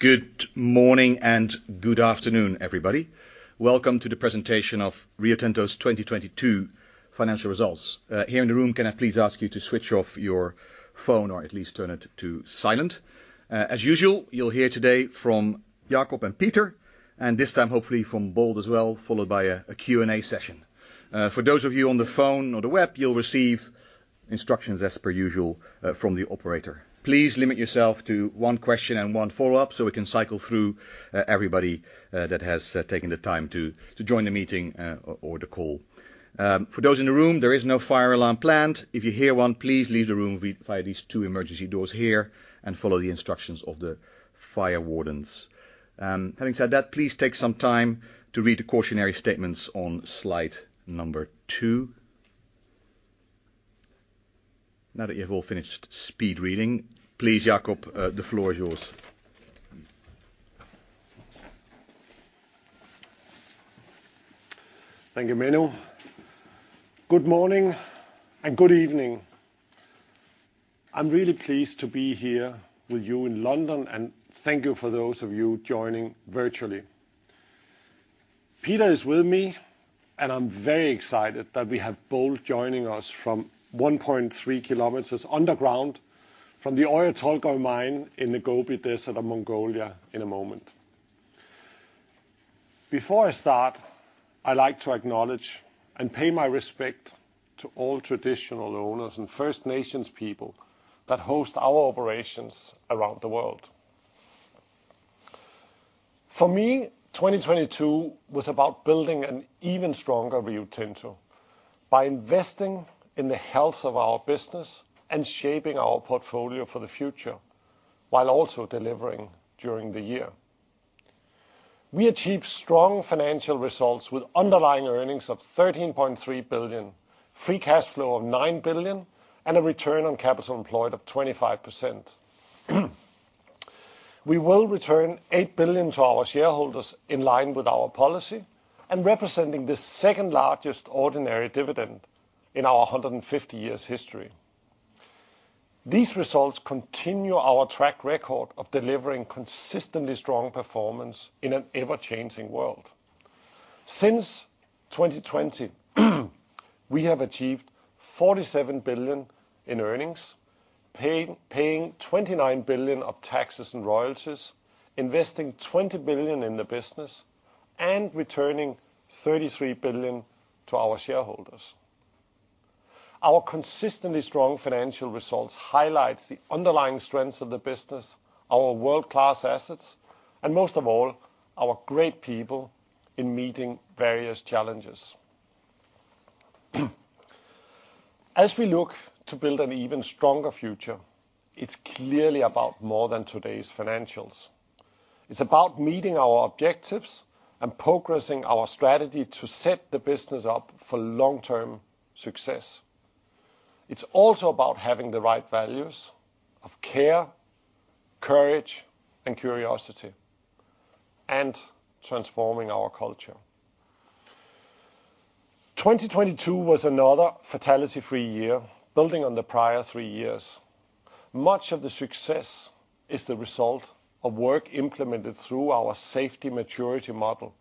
Good morning and good afternoon, everybody. Welcome to the presentation of Rio Tinto's 2022 financial results. Here in the room, can I please ask you to switch off your phone, or at least turn it to silent? As usual, you'll hear today from Jakob and Peter, and this time hopefully from Bold as well, followed by a Q&A session. For those of you on the phone or the web, you'll receive instructions as per usual from the operator. Please limit yourself to one question and one follow-up, so we can cycle through everybody that has taken the time to join the meeting or the call. For those in the room, there is no fire alarm planned. If you hear one, please leave the room via these two emergency doors here and follow the instructions of the fire wardens. Having said that, please take some time to read the cautionary statements on slide number 2. Now that you've all finished speed-reading, please, Jakob, the floor is yours. Thank you, Menno. Good morning and good evening. I'm really pleased to be here with you in London, and thank you for those of you joining virtually. Peter is with me, and I'm very excited that we have Bold joining us from 1.3 kilometers underground from the Oyu Tolgoi mine in the Gobi Desert of Mongolia in a moment. Before I start, I'd like to acknowledge and pay my respect to all traditional owners and First Nations people that host our operations around the world. For me, 2022 was about building an even stronger Rio Tinto by investing in the health of our business and shaping our portfolio for the future, while also delivering during the year. We achieved strong financial results with underlying earnings of $13.3 billion, free cash flow of $9 billion, and a return on capital employed of 25%. We will return $8 billion to our shareholders in line with our policy, and representing the second-largest ordinary dividend in our 150 years history. These results continue our track record of delivering consistently strong performance in an ever-changing world. Since 2020, we have achieved $47 billion in earnings, paying $29 billion of taxes and royalties, investing $20 billion in the business, and returning $33 billion to our shareholders. Our consistently strong financial results highlights the underlying strengths of the business, our world-class assets, and most of all, our great people in meeting various challenges. As we look to build an even stronger future, it's clearly about more than today's financials. It's about meeting our objectives and progressing our strategy to set the business up for long-term success. It's also about having the right values of care, courage, and curiosity, and transforming our culture. 2022 was another fatality-free year, building on the prior three years. Much of the success is the result of work implemented through our Safety Maturity Model,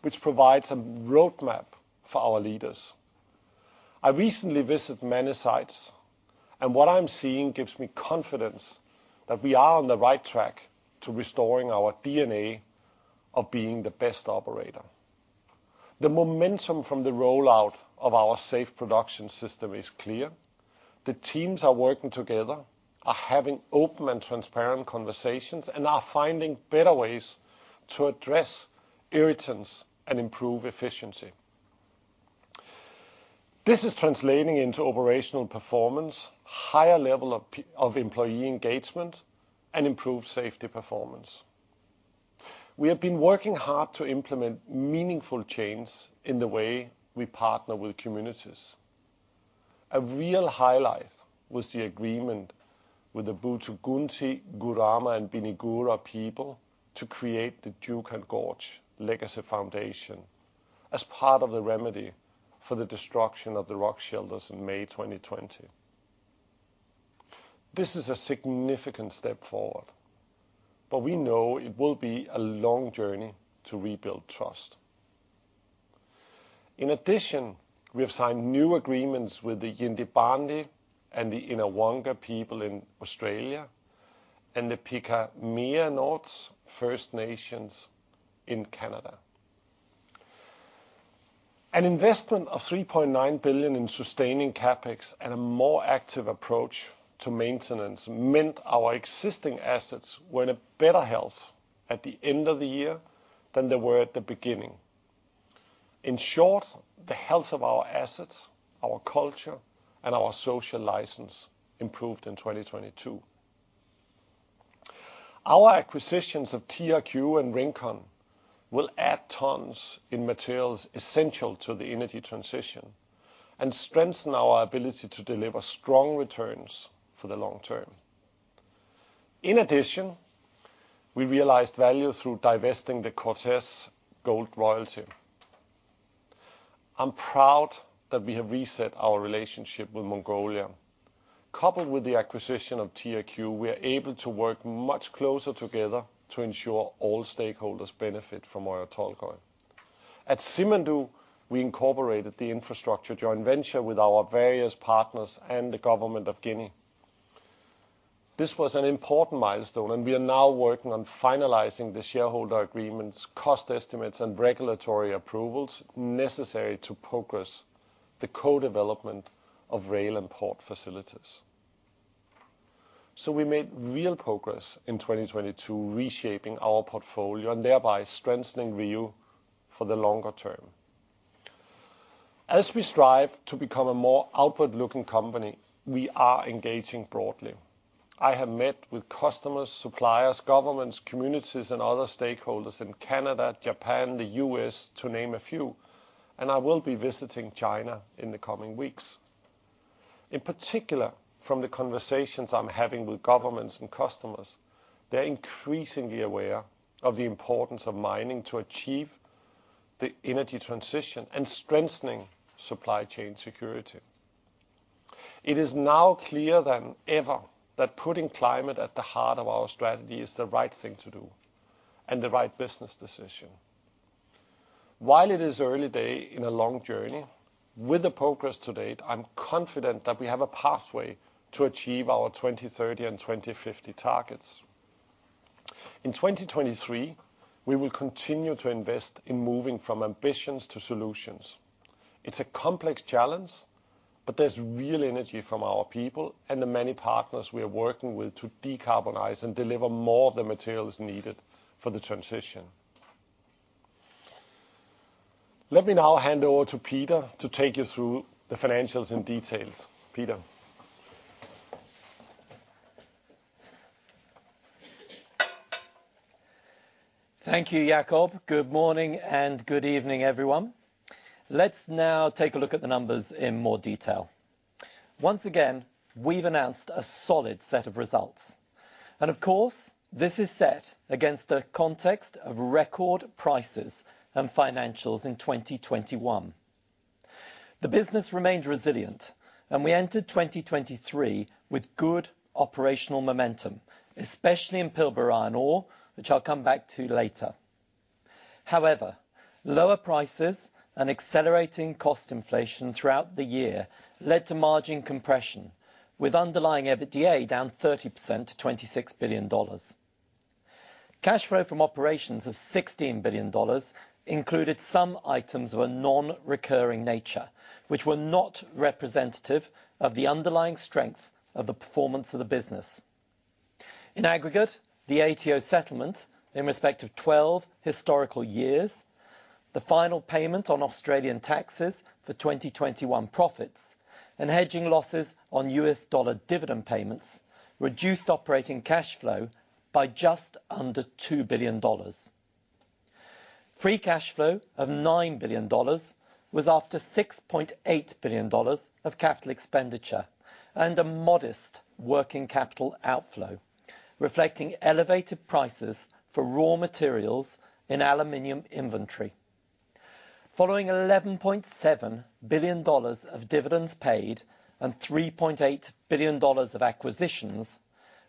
which provides a roadmap for our leaders. I recently visited many sites, what I'm seeing gives me confidence that we are on the right track to restoring our DNA of being the best operator. The momentum from the rollout of our Safe Production System is clear. The teams are working together, are having open and transparent conversations, and are finding better ways to address irritants and improve efficiency. This is translating into operational performance, higher level of employee engagement, and improved safety performance. We have been working hard to implement meaningful change in the way we partner with communities. A real highlight was the agreement with the Puutu Kunti, Kurrama and Pinikura people to create the Juukan Gorge Legacy Foundation as part of the remedy for the destruction of the rock shelters in May 2020. This is a significant step forward, but we know it will be a long journey to rebuild trust. We have signed new agreements with the Yindjibarndi and the Yinhawangka people in Australia, and the Pehkamiarnots First Nations in Canada. An investment of $3.9 billion in sustaining CapEx and a more active approach to maintenance meant our existing assets were in a better health at the end of the year than they were at the beginning. In short, the health of our assets, our culture, and our social license improved in 2022. Our acquisitions of TRQ and Rincon will add tons in materials essential to the energy transition and strengthen our ability to deliver strong returns for the long term. In addition, we realized value through divesting the Cortez Gold Royalty. I'm proud that we have reset our relationship with Mongolia. Coupled with the acquisition of TRQ, we are able to work much closer together to ensure all stakeholders benefit from Oyu Tolgoi. At Simandou, we incorporated the infrastructure joint venture with our various partners and the government of Guinea. This was an important milestone, and we are now working on finalizing the shareholder agreements, cost estimates, and regulatory approvals necessary to progress the co-development of rail and port facilities. We made real progress in 2022 reshaping our portfolio and thereby strengthening view for the longer term. As we strive to become a more outward-looking company, we are engaging broadly. I have met with customers, suppliers, governments, communities, and other stakeholders in Canada, Japan, the U.S., to name a few, and I will be visiting China in the coming weeks. In particular, from the conversations I'm having with governments and customers, they're increasingly aware of the importance of mining to achieve the energy transition and strengthening supply chain security. It is now clearer than ever that putting climate at the heart of our strategy is the right thing to do and the right business decision. While it is early day in a long journey, with the progress to date, I'm confident that we have a pathway to achieve our 2030 and 2050 targets. In 2023, we will continue to invest in moving from ambitions to solutions. It's a complex challenge. There's real energy from our people and the many partners we are working with to decarbonize and deliver more of the materials needed for the transition. Let me now hand over to Peter to take you through the financials and details. Peter. Thank you, Jakob. Good morning and good evening, everyone. Let's now take a look at the numbers in more detail. Once again, we've announced a solid set of results. Of course, this is set against a context of record prices and financials in 2021. The business remained resilient, and we entered 2023 with good operational momentum, especially in Pilbara iron ore, which I'll come back to later. However, lower prices and accelerating cost inflation throughout the year led to margin compression, with underlying EBITDA down 30% to $26 billion. Cash flow from operations of $16 billion included some items of a non-recurring nature, which were not representative of the underlying strength of the performance of the business. In aggregate, the ATO settlement in respect of 12 historical years, the final payment on Australian taxes for 2021 profits, and hedging losses on US dollar dividend payments reduced operating cash flow by just under $2 billion. Free cash flow of $9 billion was after $6.8 billion of CapEx and a modest working capital outflow, reflecting elevated prices for raw materials in aluminum inventory. Following $11.7 billion of dividends paid and $3.8 billion of acquisitions,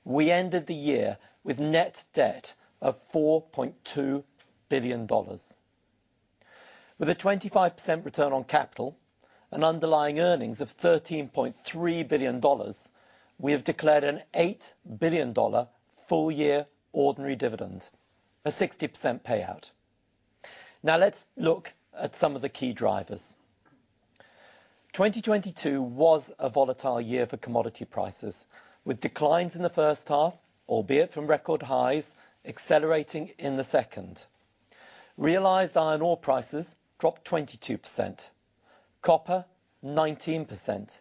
we ended the year with net debt of $4.2 billion. With a 25% return on capital and underlying earnings of $13.3 billion, we have declared an $8 billion full year ordinary dividend, a 60% payout. Let's look at some of the key drivers. 2022 was a volatile year for commodity prices with declines in the first half, albeit from record highs accelerating in the second. Realized iron ore prices dropped 22%, copper 19%.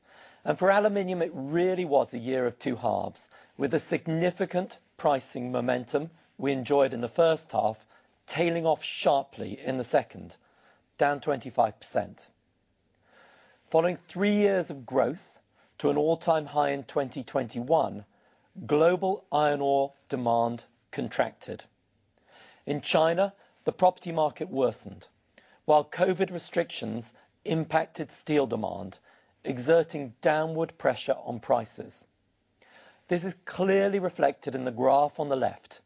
For aluminum, it really was a year of two halves, with a significant pricing momentum we enjoyed in the first half tailing off sharply in the second, down 25%. Following three years of growth to an all-time high in 2021, global iron ore demand contracted. In China, the property market worsened while COVID restrictions impacted steel demand, exerting downward pressure on prices. This is clearly reflected in the graph on the left,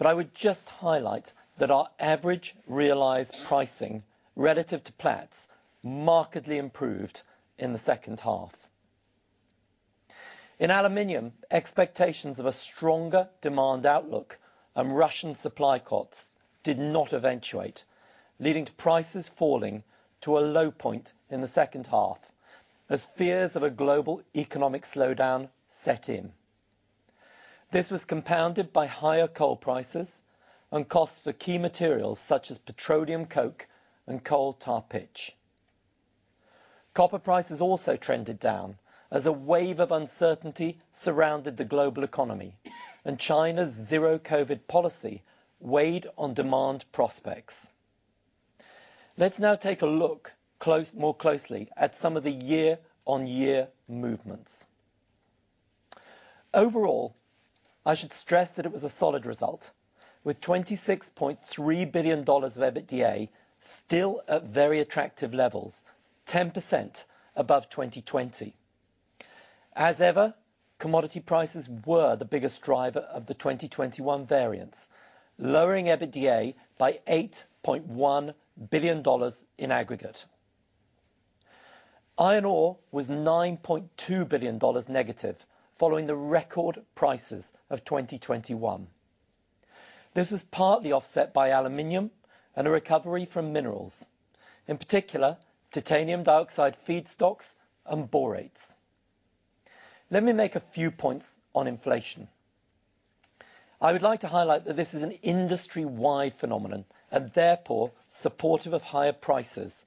I would just highlight that our average realized pricing relative to Platts markedly improved in the second half. In aluminum, expectations of a stronger demand outlook and Russian supply cuts did not eventuate, leading to prices falling to a low point in the second half as fears of a global economic slowdown set in. This was compounded by higher coal prices and costs for key materials such as petroleum coke and coal tar pitch. Copper prices also trended down as a wave of uncertainty surrounded the global economy and China's zero-COVID policy weighed on demand prospects. Let's now take a look more closely at some of the year-on-year movements. Overall, I should stress that it was a solid result, with $26.3 billion of EBITDA still at very attractive levels, 10% above 2020. As ever, commodity prices were the biggest driver of the 2021 variance, lowering EBITDA by $8.1 billion in aggregate. Iron ore was $9.2 billion negative following the record prices of 2021. This was partly offset by aluminum and a recovery from minerals, in particular, titanium dioxide feedstocks and borates. Let me make a few points on inflation. I would like to highlight that this is an industry-wide phenomenon and therefore supportive of higher prices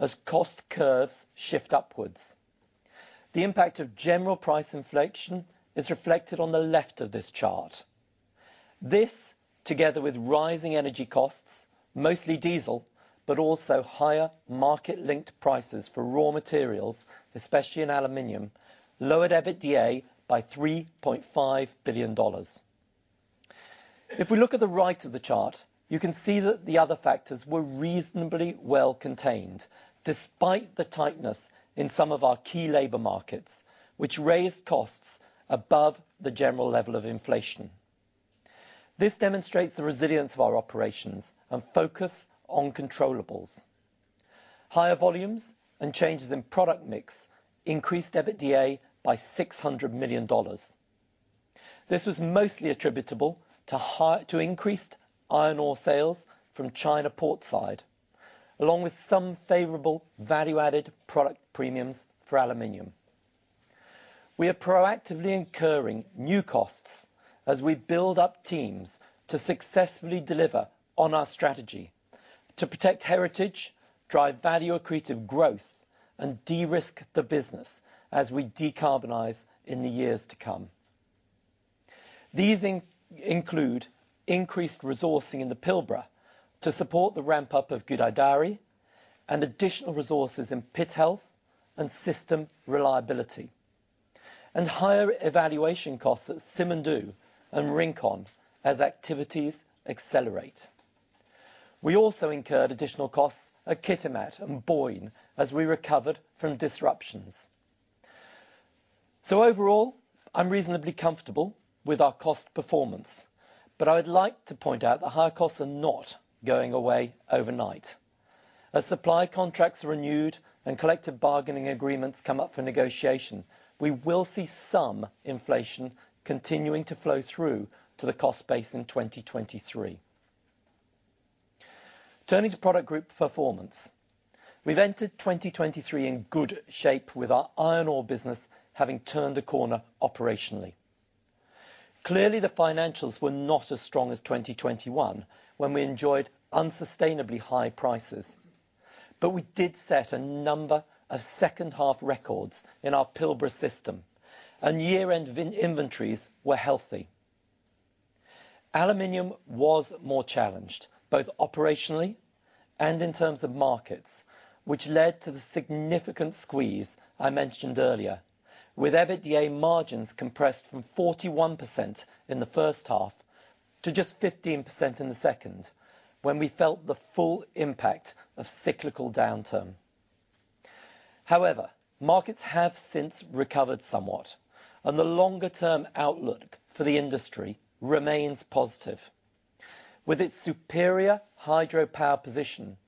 as cost curves shift upwards. The impact of general price inflation is reflected on the left of this chart. This, together with rising energy costs, mostly diesel, but also higher market-linked prices for raw materials, especially in aluminum, lowered EBITDA by $3.5 billion. We look at the right of the chart, you can see that the other factors were reasonably well contained despite the tightness in some of our key labor markets, which raised costs above the general level of inflation. This demonstrates the resilience of our operations and focus on controllables. Higher volumes and changes in product mix increased EBITDA by $600 million. This was mostly attributable to increased iron ore sales from China port side, along with some favorable value-added product premiums for aluminum. We are proactively incurring new costs as we build up teams to successfully deliver on our strategy to protect heritage, drive value accretive growth, and de-risk the business as we decarbonize in the years to come. These include increased resourcing in the Pilbara to support the ramp-up of Gudai-Darri and additional resources in pit health and system reliability, and higher evaluation costs at Simandou and Rincon as activities accelerate. We also incurred additional costs at Kitimat and Boyne as we recovered from disruptions. Overall, I'm reasonably comfortable with our cost performance, but I would like to point out that higher costs are not going away overnight. As supply contracts are renewed and collective bargaining agreements come up for negotiation, we will see some inflation continuing to flow through to the cost base in 2023. Turning to product group performance. We've entered 2023 in good shape with our iron ore business having turned a corner operationally. Clearly, the financials were not as strong as 2021, when we enjoyed unsustainably high prices. We did set a number of second half records in our Pilbara system, and year-end inventories were healthy. Aluminum was more challenged, both operationally and in terms of markets, which led to the significant squeeze I mentioned earlier, with EBITDA margins compressed from 41% in the first half to just 15% in the second, when we felt the full impact of cyclical downturn. Markets have since recovered somewhat, and the longer-term outlook for the industry remains positive. With its superior hydropower position,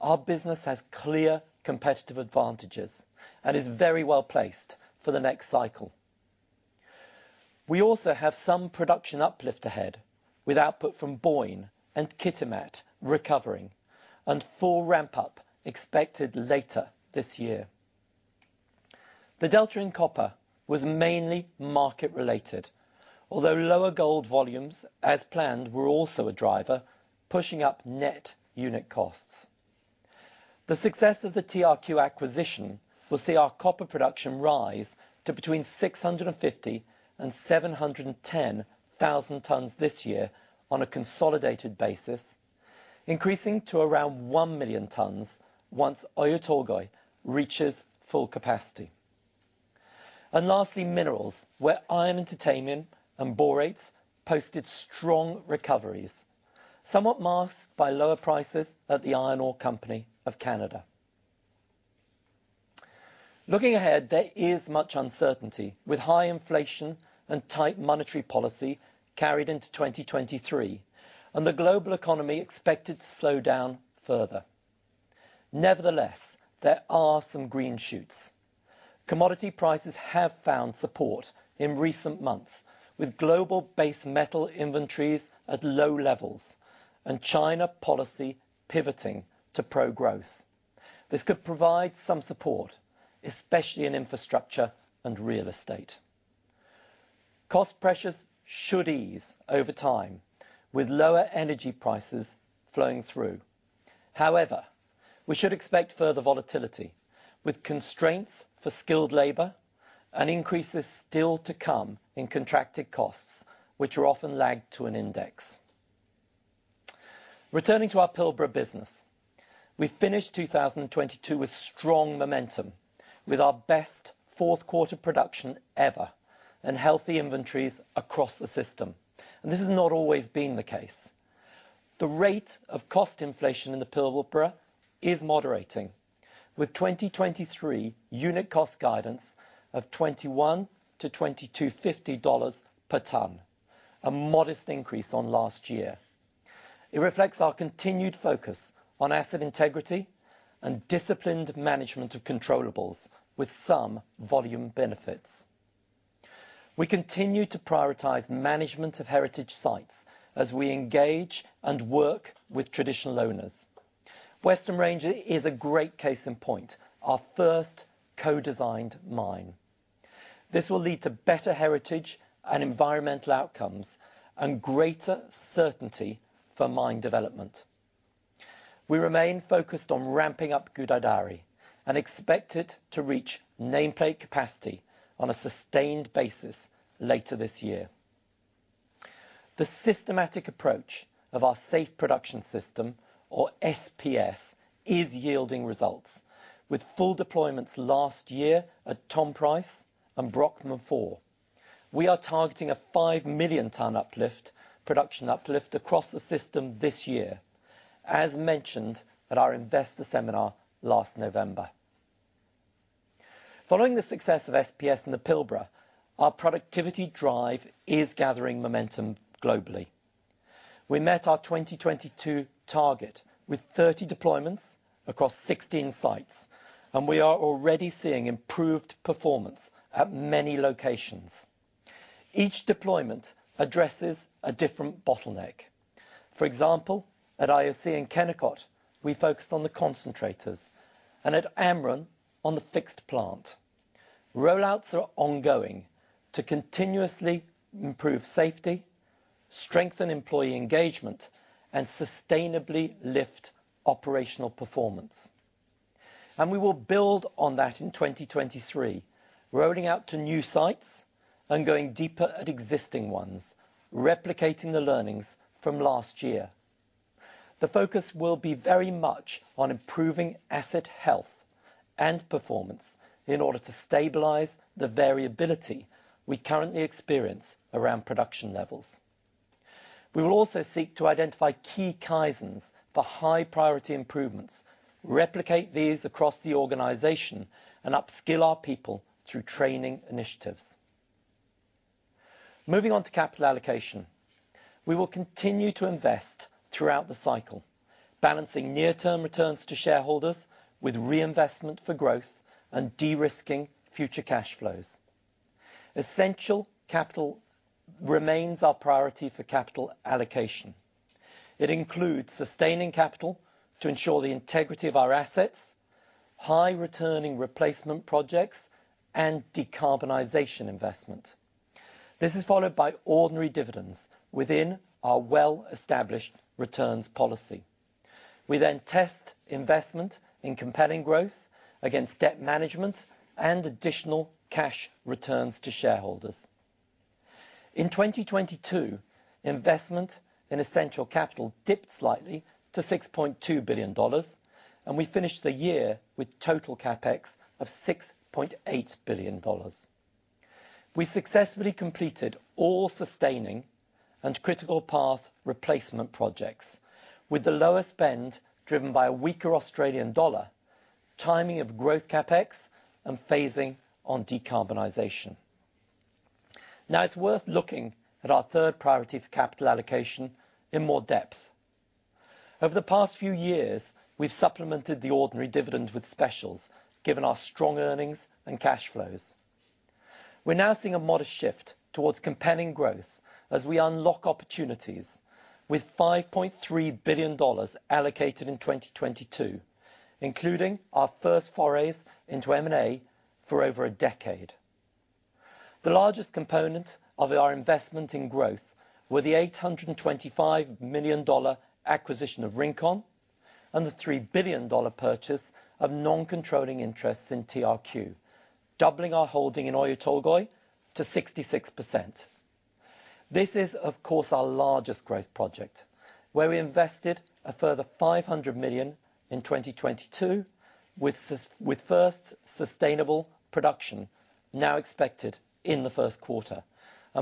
our business has clear competitive advantages and is very well placed for the next cycle. We also have some production uplift ahead with output from Boyne and Kitimat recovering and full ramp up expected later this year. The delta in copper was mainly market related, although lower gold volumes, as planned, were also a driver pushing up net unit costs. The success of the TRQ acquisition will see our copper production rise to between 650,000 and 710,000 tons this year on a consolidated basis, increasing to around 1 million tons once Oyu Tolgoi reaches full capacity. Lastly, minerals, where iron and titanium and borates posted strong recoveries, somewhat masked by lower prices at the Iron Ore Company of Canada. Looking ahead, there is much uncertainty, with high inflation and tight monetary policy carried into 2023, and the global economy expected to slow down further. Nevertheless, there are some green shoots. Commodity prices have found support in recent months, with global base metal inventories at low levels and China policy pivoting to pro-growth. This could provide some support, especially in infrastructure and real estate. Cost pressures should ease over time, with lower energy prices flowing through. However, we should expect further volatility, with constraints for skilled labor and increases still to come in contracted costs, which are often lagged to an index. Returning to our Pilbara business, we finished 2022 with strong momentum with our best Q4 production ever and healthy inventories across the system. This has not always been the case. The rate of cost inflation in the Pilbara is moderating with 2023 unit cost guidance of $21 to $22.50 per ton, a modest increase on last year. It reflects our continued focus on asset integrity and disciplined management of controllables with some volume benefits. We continue to prioritize management of heritage sites as we engage and work with traditional owners. Western Range is a great case in point, our first co-designed mine. This will lead to better heritage and environmental outcomes and greater certainty for mine development. We remain focused on ramping up Gudai-Darri and expect it to reach nameplate capacity on a sustained basis later this year. The systematic approach of our Safe Production System, or SPS, is yielding results. With full deployments last year at Tom Price and Brockman Four, we are targeting a 5 million ton uplift, production uplift across the system this year, as mentioned at our investor seminar last November. Following the success of SPS in the Pilbara, our productivity drive is gathering momentum globally. We met our 2022 target with 30 deployments across 16 sites, and we are already seeing improved performance at many locations. Each deployment addresses a different bottleneck. For example, at IOC and Kennecott, we focused on the concentrators, and at Amrun, on the fixed plant. Roll-outs are ongoing to continuously improve safety, strengthen employee engagement, and sustainably lift operational performance. We will build on that in 2023, rolling out to new sites and going deeper at existing ones, replicating the learnings from last year. The focus will be very much on improving asset health and performance in order to stabilize the variability we currently experience around production levels. We will also seek to identify key kaizens for high-priority improvements, replicate these across the organization, and upskill our people through training initiatives. Moving on to capital allocation. We will continue to invest throughout the cycle, balancing near-term returns to shareholders with reinvestment for growth and de-risking future cash flows. Essential capital remains our priority for capital allocation. It includes sustaining capital to ensure the integrity of our assets, high returning replacement projects, and decarbonization investment. This is followed by ordinary dividends within our well-established returns policy. We test investment in compelling growth against debt management and additional cash returns to shareholders. In 2022, investment in essential capital dipped slightly to $6.2 billion, and we finished the year with total CapEx of $6.8 billion. We successfully completed all sustaining and critical path replacement projects, with the lower spend driven by a weaker Australian dollar, timing of growth CapEx, and phasing on decarbonization. It's worth looking at our third priority for capital allocation in more depth. Over the past few years, we've supplemented the ordinary dividend with specials, given our strong earnings and cash flows. We're now seeing a modest shift towards compelling growth as we unlock opportunities with $5.3 billion allocated in 2022, including our first forays into M&A for over a decade. The largest component of our investment in growth were the $825 million acquisition of Rincon and the $3 billion purchase of non-controlling interests in TRQ, doubling our holding in Oyu Tolgoi to 66%. This is, of course, our largest growth project, where we invested a further $500 million in 2022 with first sustainable production now expected in the Q1.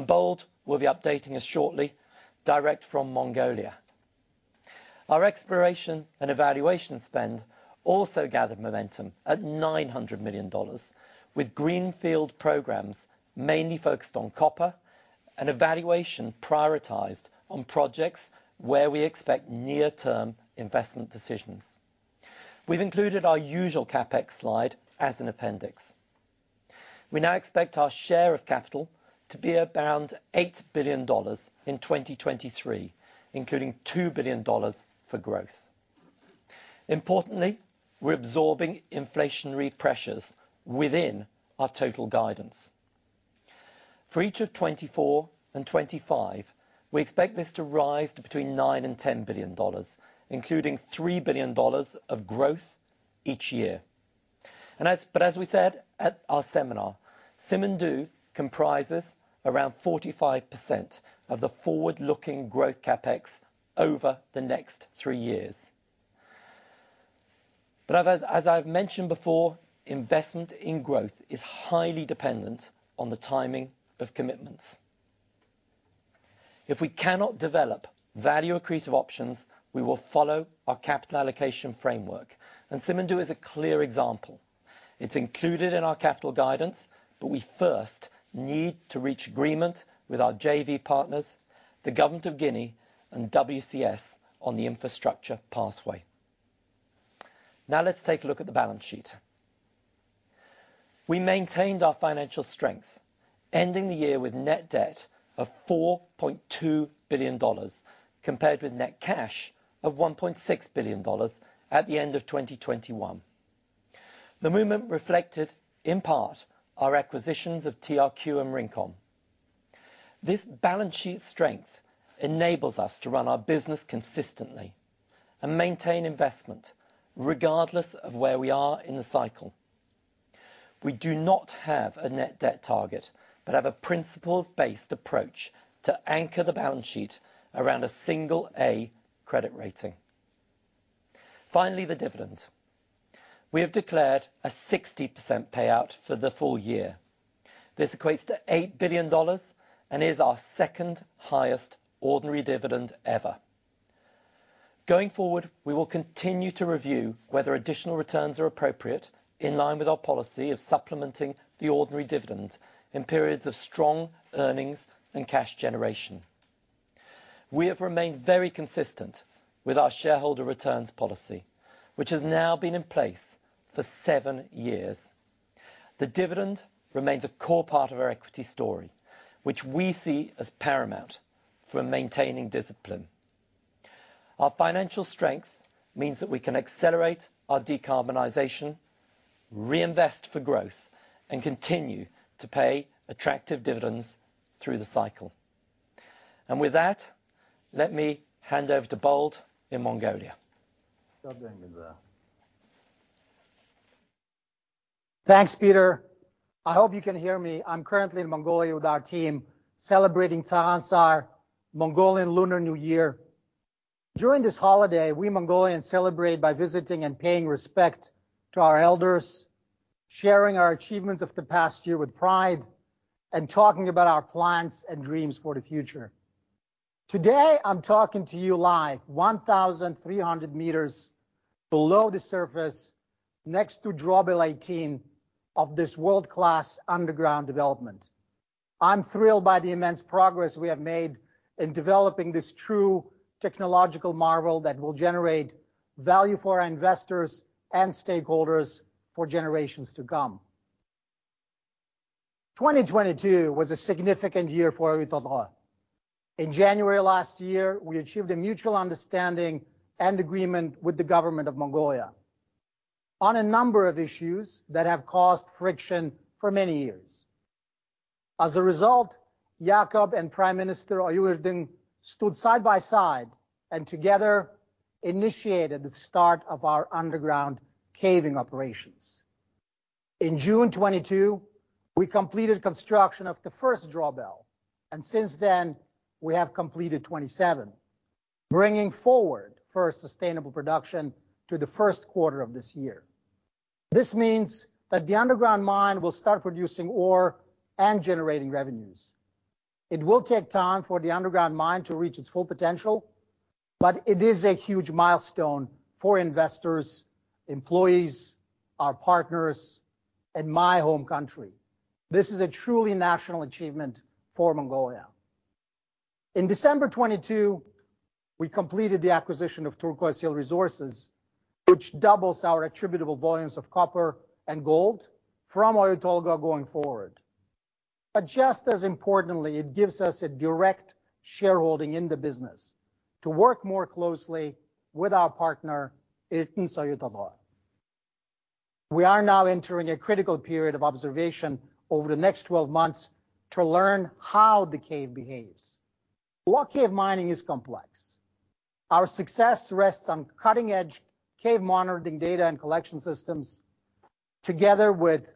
Bold will be updating us shortly, direct from Mongolia. Our exploration and evaluation spend also gathered momentum at $900 million, with greenfield programs mainly focused on copper and evaluation prioritized on projects where we expect near-term investment decisions. We've included our usual CapEx slide as an appendix. We now expect our share of capital to be around $8 billion in 2023, including $2 billion for growth. Importantly, we're absorbing inflationary pressures within our total guidance. For each of 2024 and 2025, we expect this to rise to between $9 billion and $10 billion, including $3 billion of growth each year. As we said at our seminar, Simandou comprises around 45% of the forward-looking growth CapEx over the next three years. As I've mentioned before, investment in growth is highly dependent on the timing of commitments. If we cannot develop value accretive options, we will follow our capital allocation framework, and Simandou is a clear example. It's included in our capital guidance, but we first need to reach agreement with our JV partners, the government of Guinea, and WCS on the infrastructure pathway. Now let's take a look at the balance sheet. We maintained our financial strength, ending the year with net debt of $4.2 billion, compared with net cash of $1.6 billion at the end of 2021. The movement reflected, in part, our acquisitions of TRQ and Rincon. This balance sheet strength enables us to run our business consistently and maintain investment regardless of where we are in the cycle. We do not have a net debt target, but have a principles-based approach to anchor the balance sheet around a single A credit rating. Finally, the dividend. We have declared a 60% payout for the full year. This equates to $8 billion and is our second highest ordinary dividend ever. Going forward, we will continue to review whether additional returns are appropriate in line with our policy of supplementing the ordinary dividend in periods of strong earnings and cash generation. We have remained very consistent with our shareholder returns policy, which has now been in place for seven years. The dividend remains a core part of our equity story, which we see as paramount for maintaining discipline. Our financial strength means that we can accelerate our decarbonization, reinvest for growth, and continue to pay attractive dividends through the cycle. With that, let me hand over to Bold in Mongolia. Thanks, Peter. I hope you can hear me. I'm currently in Mongolia with our team celebrating Tsagaan Sar, Mongolian Lunar New Year. During this holiday, we Mongolians celebrate by visiting and paying respect to our elders, sharing our achievements of the past year with pride, and talking about our plans and dreams for the future. Today, I'm talking to you live 1,300 meters below the surface next to drawbell 18 of this world-class underground development. I'm thrilled by the immense progress we have made in developing this true technological marvel that will generate value for our investors and stakeholders for generations to come. 2022 was a significant year for Oyu Tolgoi. In January of last year, we achieved a mutual understanding and agreement with the government of Mongolia on a number of issues that have caused friction for many years. As a result, Jakob and Prime Minister Oyun-Erdene stood side by side and together initiated the start of our underground caving operations. In June 2022, we completed construction of the first drawbell, and since then we have completed 27, bringing forward first sustainable production to the Q1 of this year. This means that the underground mine will start producing ore and generating revenues. It will take time for the underground mine to reach its full potential, but it is a huge milestone for investors, employees, our partners, and my home country. This is a truly national achievement for Mongolia. In December 2022, we completed the acquisition of Turquoise Hill Resources, which doubles our attributable volumes of copper and gold from Oyu Tolgoi going forward. Just as importantly, it gives us a direct shareholding in the business to work more closely with our partner Erdenes Oyu Tolgoi. We are now entering a critical period of observation over the next 12 months to learn how the cave behaves. Block cave mining is complex. Our success rests on cutting-edge cave monitoring data and collection systems together with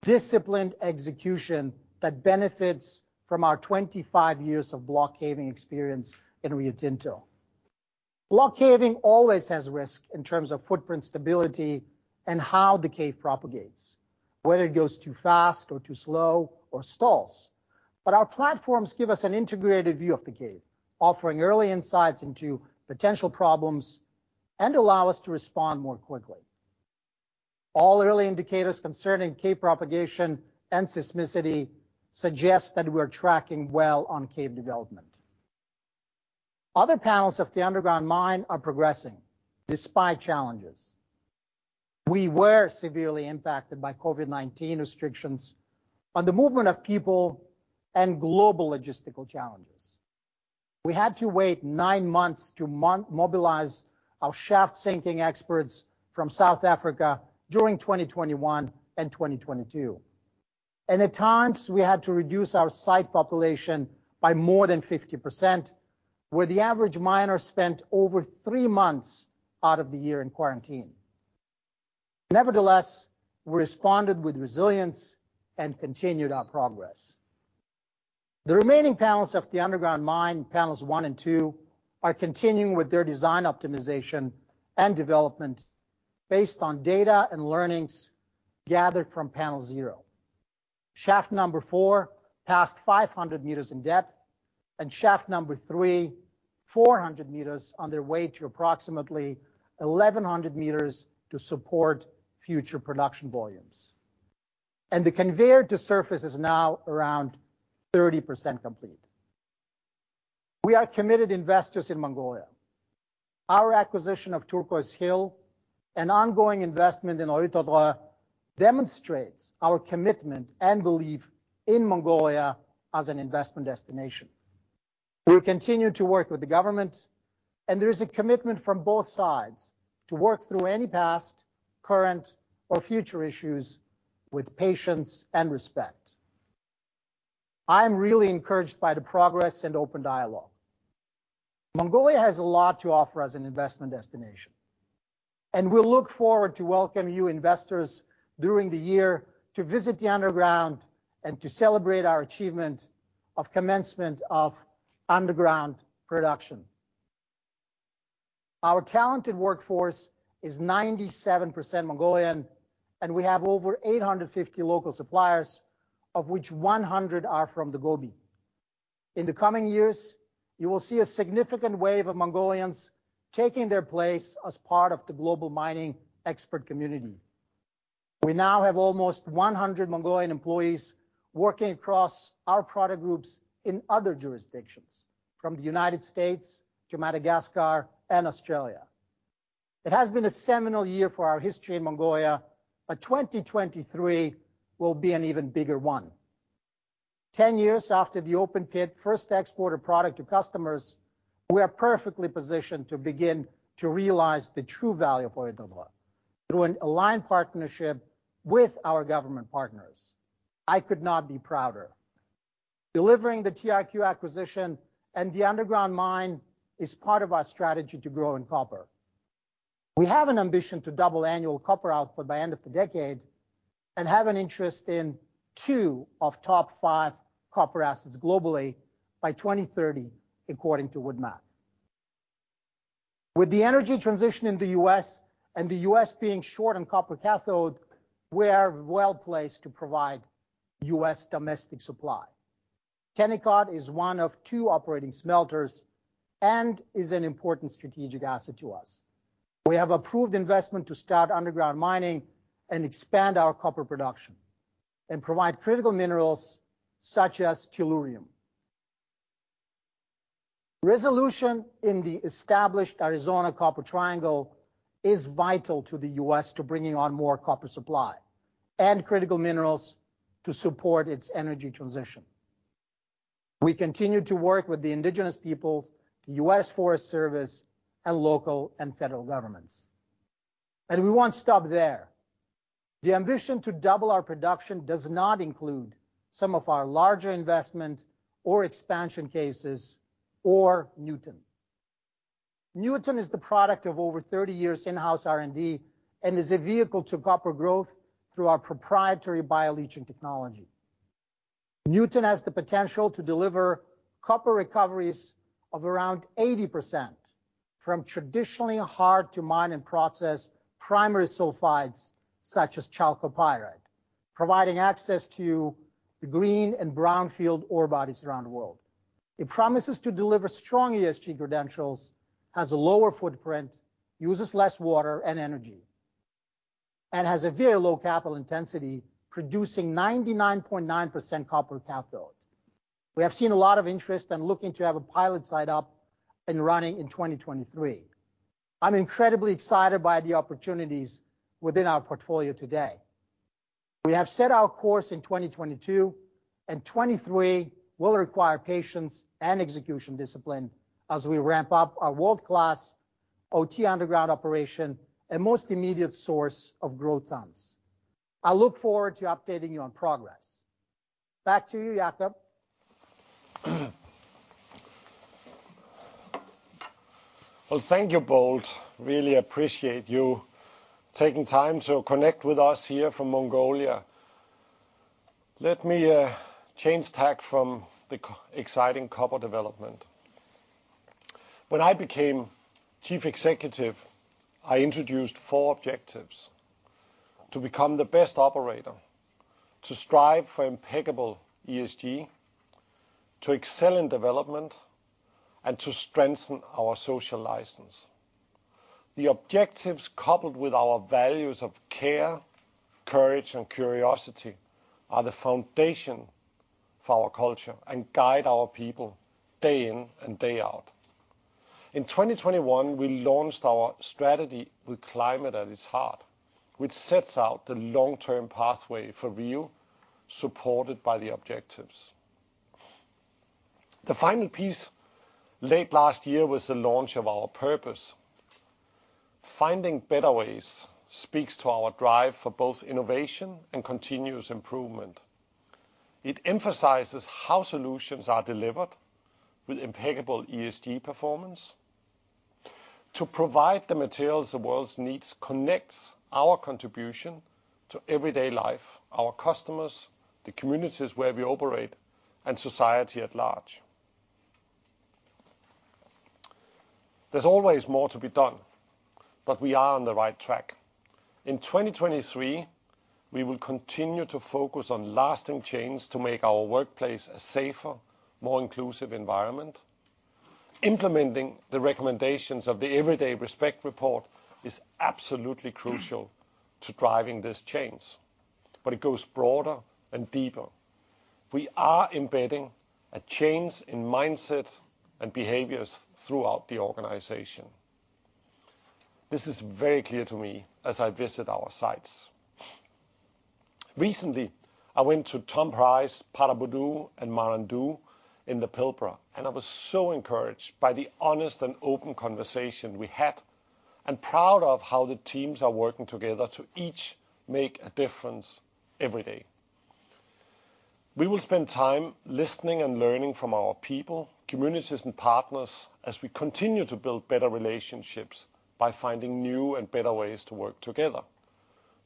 disciplined execution that benefits from our 25 years of block caving experience in Rio Tinto. Block caving always has risk in terms of footprint stability and how the cave propagates, whether it goes too fast or too slow or stalls. Our platforms give us an integrated view of the cave, offering early insights into potential problems and allow us to respond more quickly. All early indicators concerning cave propagation and seismicity suggest that we're tracking well on cave development. Other panels of the underground mine are progressing despite challenges. We were severely impacted by COVID-19 restrictions on the movement of people and global logistical challenges. We had to wait nine months to mobilize our shaft sinking experts from South Africa during 2021 and 2022. At times, we had to reduce our site population by more than 50%, where the average miner spent over three months out of the year in quarantine. Nevertheless, we responded with resilience and continued our progress. The remaining panels of the underground mine, panels one and two, are continuing with their design optimization and development based on data and learnings gathered from panel zero. Shaft number four passed 500 meters in depth, and shaft number three, 400 meters, on their way to approximately 1,100 meters to support future production volumes. The conveyor to surface is now around 30% complete. We are committed investors in Mongolia. Our acquisition of Turquoise Hill and ongoing investment in Oyu Tolgoi demonstrates our commitment and belief in Mongolia as an investment destination. We continue to work with the government, and there is a commitment from both sides to work through any past, current, or future issues with patience and respect. I am really encouraged by the progress and open dialogue. Mongolia has a lot to offer as an investment destination, and we look forward to welcome you investors during the year to visit the underground and to celebrate our achievement of commencement of underground production. Our talented workforce is 97% Mongolian, and we have over 850 local suppliers, of which 100 are from the Gobi. In the coming years, you will see a significant wave of Mongolians taking their place as part of the global mining expert community. We now have almost 100 Mongolian employees working across our product groups in other jurisdictions, from the United States to Madagascar and Australia. It has been a seminal year for our history in Mongolia. 2023 will be an even bigger one. 10 years after the open pit first exported product to customers, we are perfectly positioned to begin to realize the true value of Oyu Tolgoi through an aligned partnership with our government partners. I could not be prouder. Delivering the TRQ acquisition and the underground mine is part of our strategy to grow in copper. We have an ambition to double annual copper output by end of the decade and have an interest in two of top five copper assets globally by 2030, according to WoodMac. With the energy transition in the U.S., and the U.S. being short on copper cathode, we are well-placed to provide U.S. domestic supply. Kennecott is one of two operating smelters and is an important strategic asset to us. We have approved investment to start underground mining and expand our copper production and provide critical minerals such as tellurium. Resolution in the established Arizona Copper Triangle is vital to the U.S. to bringing on more copper supply and critical minerals to support its energy transition. We continue to work with the indigenous peoples, the U.S. Forest Service, and local and federal governments. We won't stop there. The ambition to double our production does not include some of our larger investment or expansion cases or Nuton. Nuton is the product of over 30 years in-house R&D, and is a vehicle to copper growth through our proprietary bioleaching technology. Newton has the potential to deliver copper recoveries of around 80% from traditionally hard to mine and process primary sulfides, such as chalcopyrite, providing access to the green and brownfield ore bodies around the world. It promises to deliver strong ESG credentials, has a lower footprint, uses less water and energy, and has a very low capital intensity, producing 99.9% copper cathode. We have seen a lot of interest and looking to have a pilot site up and running in 2023. I'm incredibly excited by the opportunities within our portfolio today. We have set our course in 2022, and 2023 will require patience and execution discipline as we ramp up our world-class OT underground operation and most immediate source of growth tons. I look forward to updating you on progress. Back to you, Jakob. Well, thank you, Bold. Really appreciate you taking time to connect with us here from Mongolia. Let me change tack from the exciting copper development. When I became Chief Executive, I introduced four objectives: to become the best operator, to strive for impeccable ESG, to excel in development, and to strengthen our social license. The objectives, coupled with our values of care, courage, and curiosity, are the foundation for our culture and guide our people day in and day out. In 2021, we launched our strategy with climate at its heart, which sets out the long-term pathway for Rio, supported by the objectives. The final piece late last year was the launch of our purpose. Finding better ways speaks to our drive for both innovation and continuous improvement. It emphasizes how solutions are delivered with impeccable ESG performance. To provide the materials the world needs connects our contribution to everyday life, our customers, the communities where we operate, and society at large. There's always more to be done, but we are on the right track. In 2023, we will continue to focus on lasting change to make our workplace a safer, more inclusive environment. Implementing the recommendations of the Everyday Respect report is absolutely crucial to driving this change, but it goes broader and deeper. We are embedding a change in mindset and behaviors throughout the organization. This is very clear to me as I visit our sites. Recently, I went to Tom Price, Paraburdoo, and Marandoo in the Pilbara, and I was so encouraged by the honest and open conversation we had, and proud of how the teams are working together to each make a difference every day. We will spend time listening and learning from our people, communities, and partners as we continue to build better relationships by finding new and better ways to work together.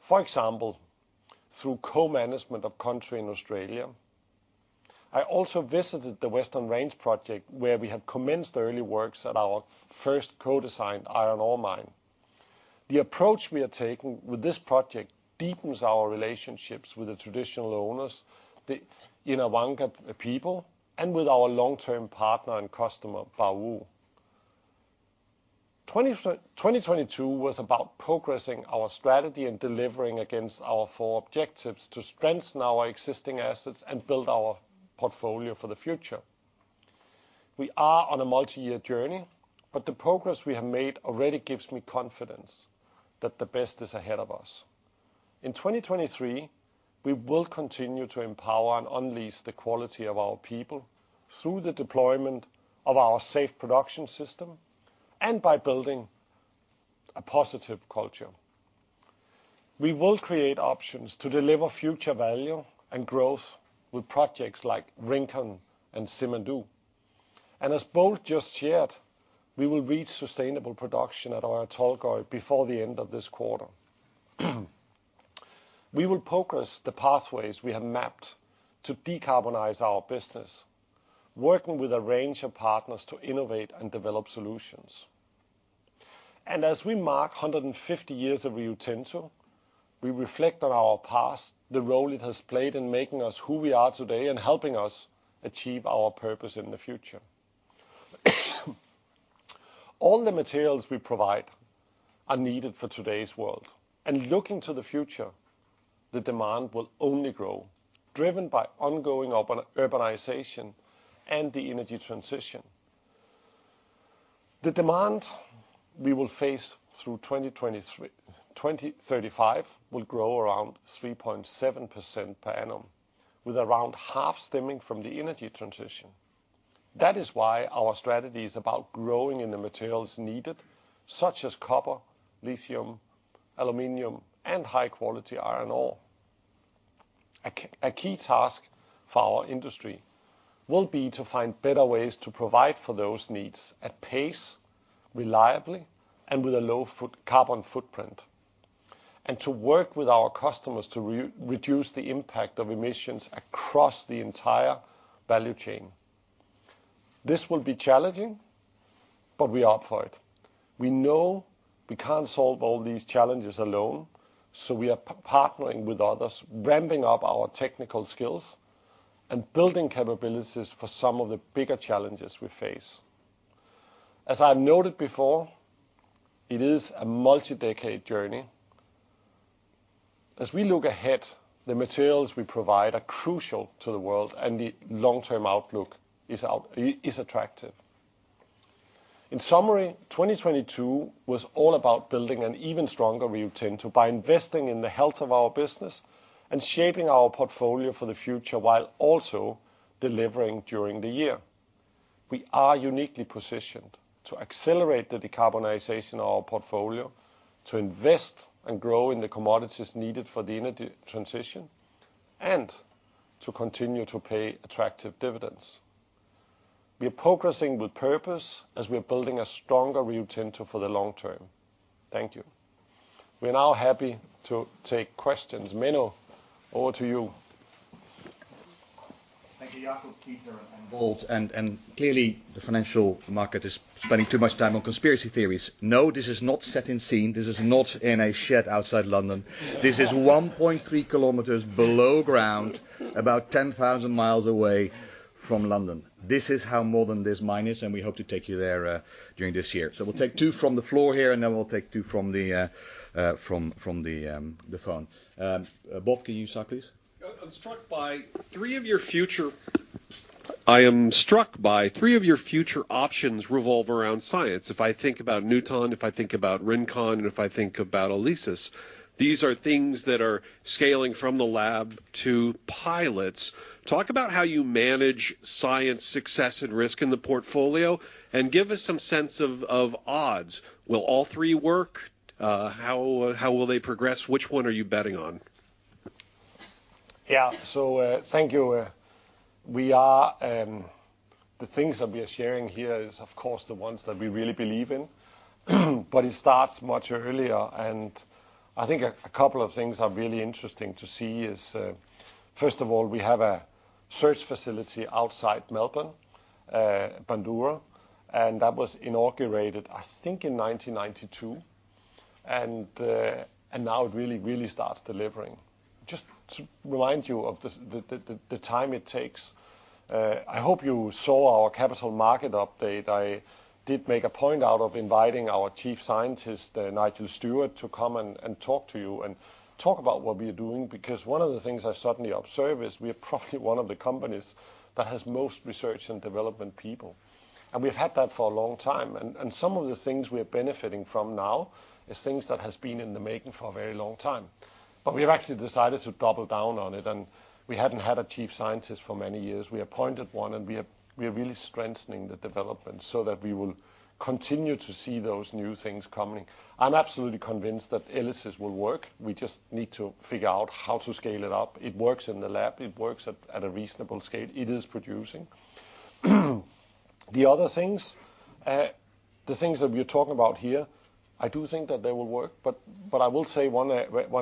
For example, through co-management of country in Australia. I also visited the Western Range project, where we have commenced early works at our first co-designed iron ore mine. The approach we are taking with this project deepens our relationships with the traditional owners, the Yinewangka people, and with our long-term partner and customer, Baowu. 2022 was about progressing our strategy and delivering against our four objectives to strengthen our existing assets and build our portfolio for the future. We are on a multi-year journey, but the progress we have made already gives me confidence that the best is ahead of us. In 2023, we will continue to empower and unleash the quality of our people through the deployment of our Safe Production System and by building a positive culture. We will create options to deliver future value and growth with projects like Rincon and Simandou. As Bo just shared, we will reach sustainable production at our Tolgoi before the end of this quarter. We will progress the pathways we have mapped to decarbonize our business, working with a range of partners to innovate and develop solutions. As we mark 150 years of Rio Tinto, we reflect on our past, the role it has played in making us who we are today, and helping us achieve our purpose in the future. All the materials we provide are needed for today's world, and looking to the future, the demand will only grow, driven by ongoing urbanization and the energy transition. The demand we will face through 2035 will grow around 3.7% per annum, with around half stemming from the energy transition. That is why our strategy is about growing in the materials needed, such as copper, lithium, aluminum, and high-quality iron ore. A key task for our industry will be to find better ways to provide for those needs at pace, reliably, and with a low carbon footprint, and to work with our customers to reduce the impact of emissions across the entire value chain. This will be challenging, but we are up for it. We know we can't solve all these challenges alone, so we are partnering with others, ramping up our technical skills, and building capabilities for some of the bigger challenges we face. As I've noted before, it is a multi-decade journey. As we look ahead, the materials we provide are crucial to the world, and the long-term outlook is attractive. In summary, 2022 was all about building an even stronger Rio Tinto by investing in the health of our business and shaping our portfolio for the future while also delivering during the year. We are uniquely positioned to accelerate the decarbonization of our portfolio, to invest and grow in the commodities needed for the energy transition, and to continue to pay attractive dividends. We are progressing with purpose as we're building a stronger Rio Tinto for the long term. Thank you. We are now happy to take questions. Menno, over to you. Thank you, Jakob, Peter, and Bold. Clearly the financial market is spending too much time on conspiracy theories. No, this is not set in scene. This is not in a shed outside London. This is 1.3 kilometers below ground, about 10,000 miles away from London. This is how more than this mine is, we hope to take you there during this year. We'll take two from the floor here, then we'll take two from the phone. Bold, can you start, please? I'm struck by three of your future. I am struck by three of your future options revolve around science. If I think about Nuton, if I think about Rincon, and if I think about ELYSIS, these are things that are scaling from the lab to pilots. Talk about how you manage science success and risk in the portfolio, and give us some sense of odds. Will all three work? How will they progress? Which one are you betting on? Thank you. We are the things that we are sharing here is, of course, the ones that we really believe in. But it starts much earlier, and I think a couple of things are really interesting to see is, first of all, we have a search facility outside Melbourne, Bundoora, and that was inaugurated, I think, in 1992. And now it really, really starts delivering. Just to remind you of the time it takes, I hope you saw our capital market update. I did make a point out of inviting our Chief Scientist, Nigel Steward, to come and talk to you, and talk about what we are doing. One of the things I certainly observe is we are probably one of the companies that has most research and development people, and we've had that for a long time. Some of the things we are benefiting from now is things that has been in the making for a very long time. We have actually decided to double down on it. We hadn't had a chief scientist for many years. We appointed one. We are really strengthening the development so that we will continue to see those new things coming. I'm absolutely convinced that ELYSIS will work. We just need to figure out how to scale it up. It works in the lab. It works at a reasonable scale. It is producing. The other things, the things that we are talking about here, I do think that they will work, but I will say one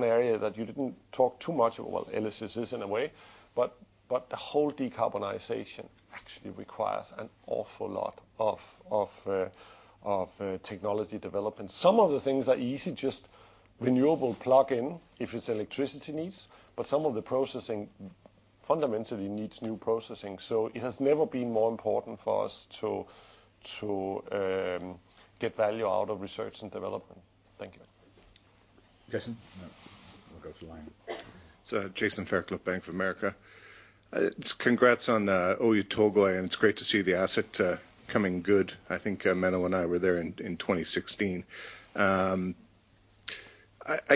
area that you didn't talk too much. Well, ELYSIS is in a way, but the whole decarbonization actually requires an awful lot of technology development. Some of the things are easy, just renewable plug-in if it's electricity needs, but some of the processing fundamentally needs new processing. It has never been more important for us to get value out of research and development. Thank you. Jason. No. We'll go to line. Jason Fairclough, Bank of America. Just congrats on Oyu Tolgoi, and it's great to see the asset coming good. I think Menno and I were there in 2016. I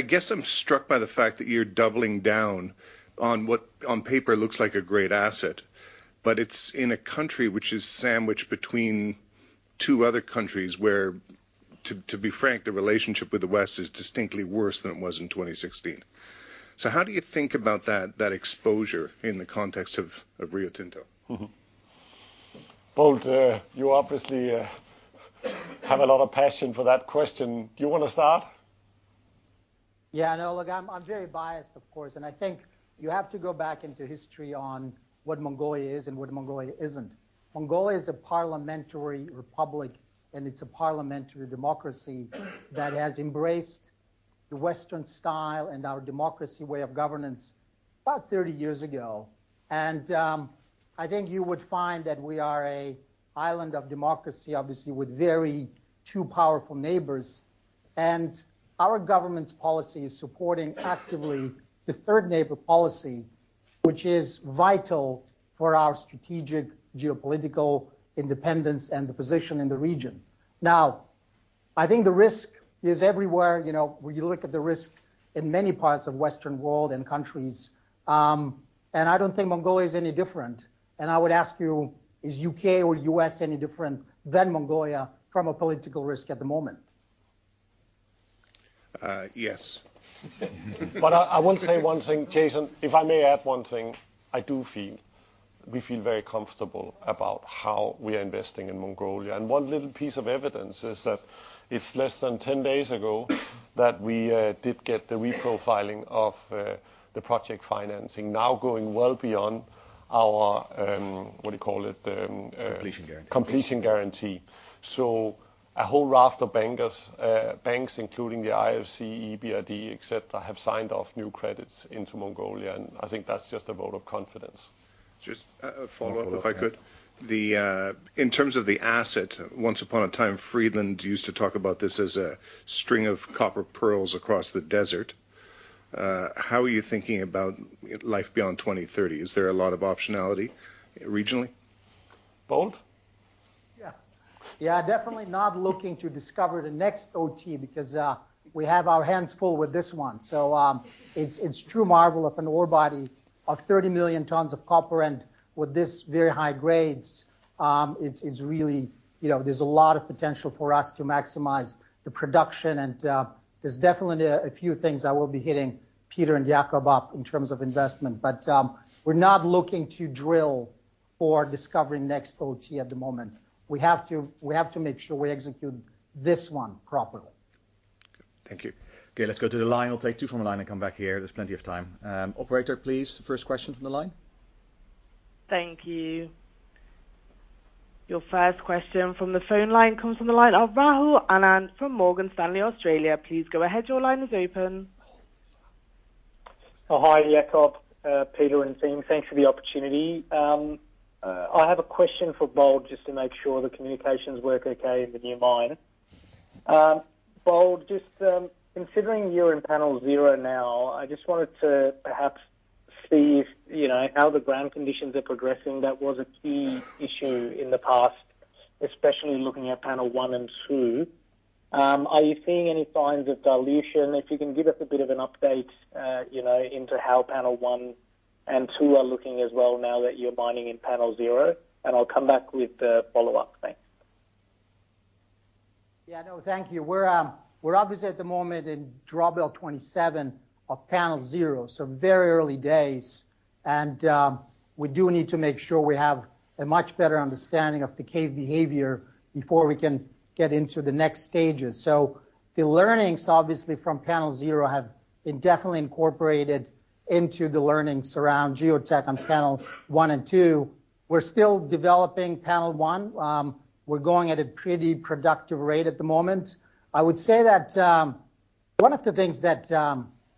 guess I'm struck by the fact that you're doubling down on what on paper looks like a great asset, but it's in a country which is sandwiched between two other countries, where, to be frank, the relationship with the West is distinctly worse than it was in 2016. How do you think about that exposure in the context of Rio Tinto? Bold, you obviously have a lot of passion for that question. Do you wanna start? Yeah, no. Look, I'm very biased, of course. I think you have to go back into history on what Mongolia is and what Mongolia isn't. Mongolia is a parliamentary republic. It's a parliamentary democracy that has embraced the Western style and our democracy way of governance about 30 years ago. I think you would find that we are a island of democracy, obviously, with very two powerful neighbors. Our government's policy is supporting actively the third neighbor policy, which is vital for our strategic geopolitical independence and the position in the region. I think the risk is everywhere. You know, when you look at the risk in many parts of Western world and countries, I don't think Mongolia is any different. I would ask you, is U.K. or U.S. any different than Mongolia from a political risk at the moment? Yes. I will say one thing, Jason, if I may add one thing. I do feel very comfortable about how we are investing in Mongolia. One little piece of evidence is that it's less than 10 days ago that we did get the reprofiling of the project financing now going well beyond our, what do you call it? Completion guarantee. Completion guarantee. A whole raft of bankers, banks, including the IFC, EBRD, etc, have signed off new credits into Mongolia. I think that's just a vote of confidence. Just a follow-up, if I could. One follow-up. Yeah. The in terms of the asset, once upon a time, Friedland used to talk about this as a string of copper pearls across the desert. How are you thinking about life beyond 2030? Is there a lot of optionality regionally? Bold? Yeah. Yeah, definitely not looking to discover the next OT because we have our hands full with this one. It's a true marvel of an ore body of 30 million tons of copper and with this very high grades, it's really. You know, there's a lot of potential for us to maximize the production and there's definitely a few things I will be hitting Peter and Jakob up in terms of investment. We're not looking to drill or discover next OT at the moment. We have to make sure we execute this one properly. Thank you. Okay, let's go to the line. We'll take two from the line and come back here. There's plenty of time. Operator, please, first question from the line. Thank you. Your first question from the phone line comes from the line of Rahul Anand from Morgan Stanley Australia. Please go ahead. Your line is open. Hi, Jakob, Peter and team. Thanks for the opportunity. I have a question for Bold just to make sure the communications work okay in the new mine. Bold, just considering you're in panel zero now, I just wanted to perhaps see if, you know, how the ground conditions are progressing. That was a key issue in the past, especially looking at panel one and two. Are you seeing any signs of dilution? If you can give us a bit of an update, you know, into how panel one and two are looking as well now that you're mining in panel zero, and I'll come back with a follow-up. Thanks. Yeah, no, thank you. We're, we're obviously at the moment in drawbell 27 of panel zero, so very early days. We do need to make sure we have a much better understanding of the cave behavior before we can get into the next stages. The learnings, obviously, from panel zero have been definitely incorporated into the learnings around geotech on panel one and two. We're still developing panel one. We're going at a pretty productive rate at the moment. I would say that, one of the things that,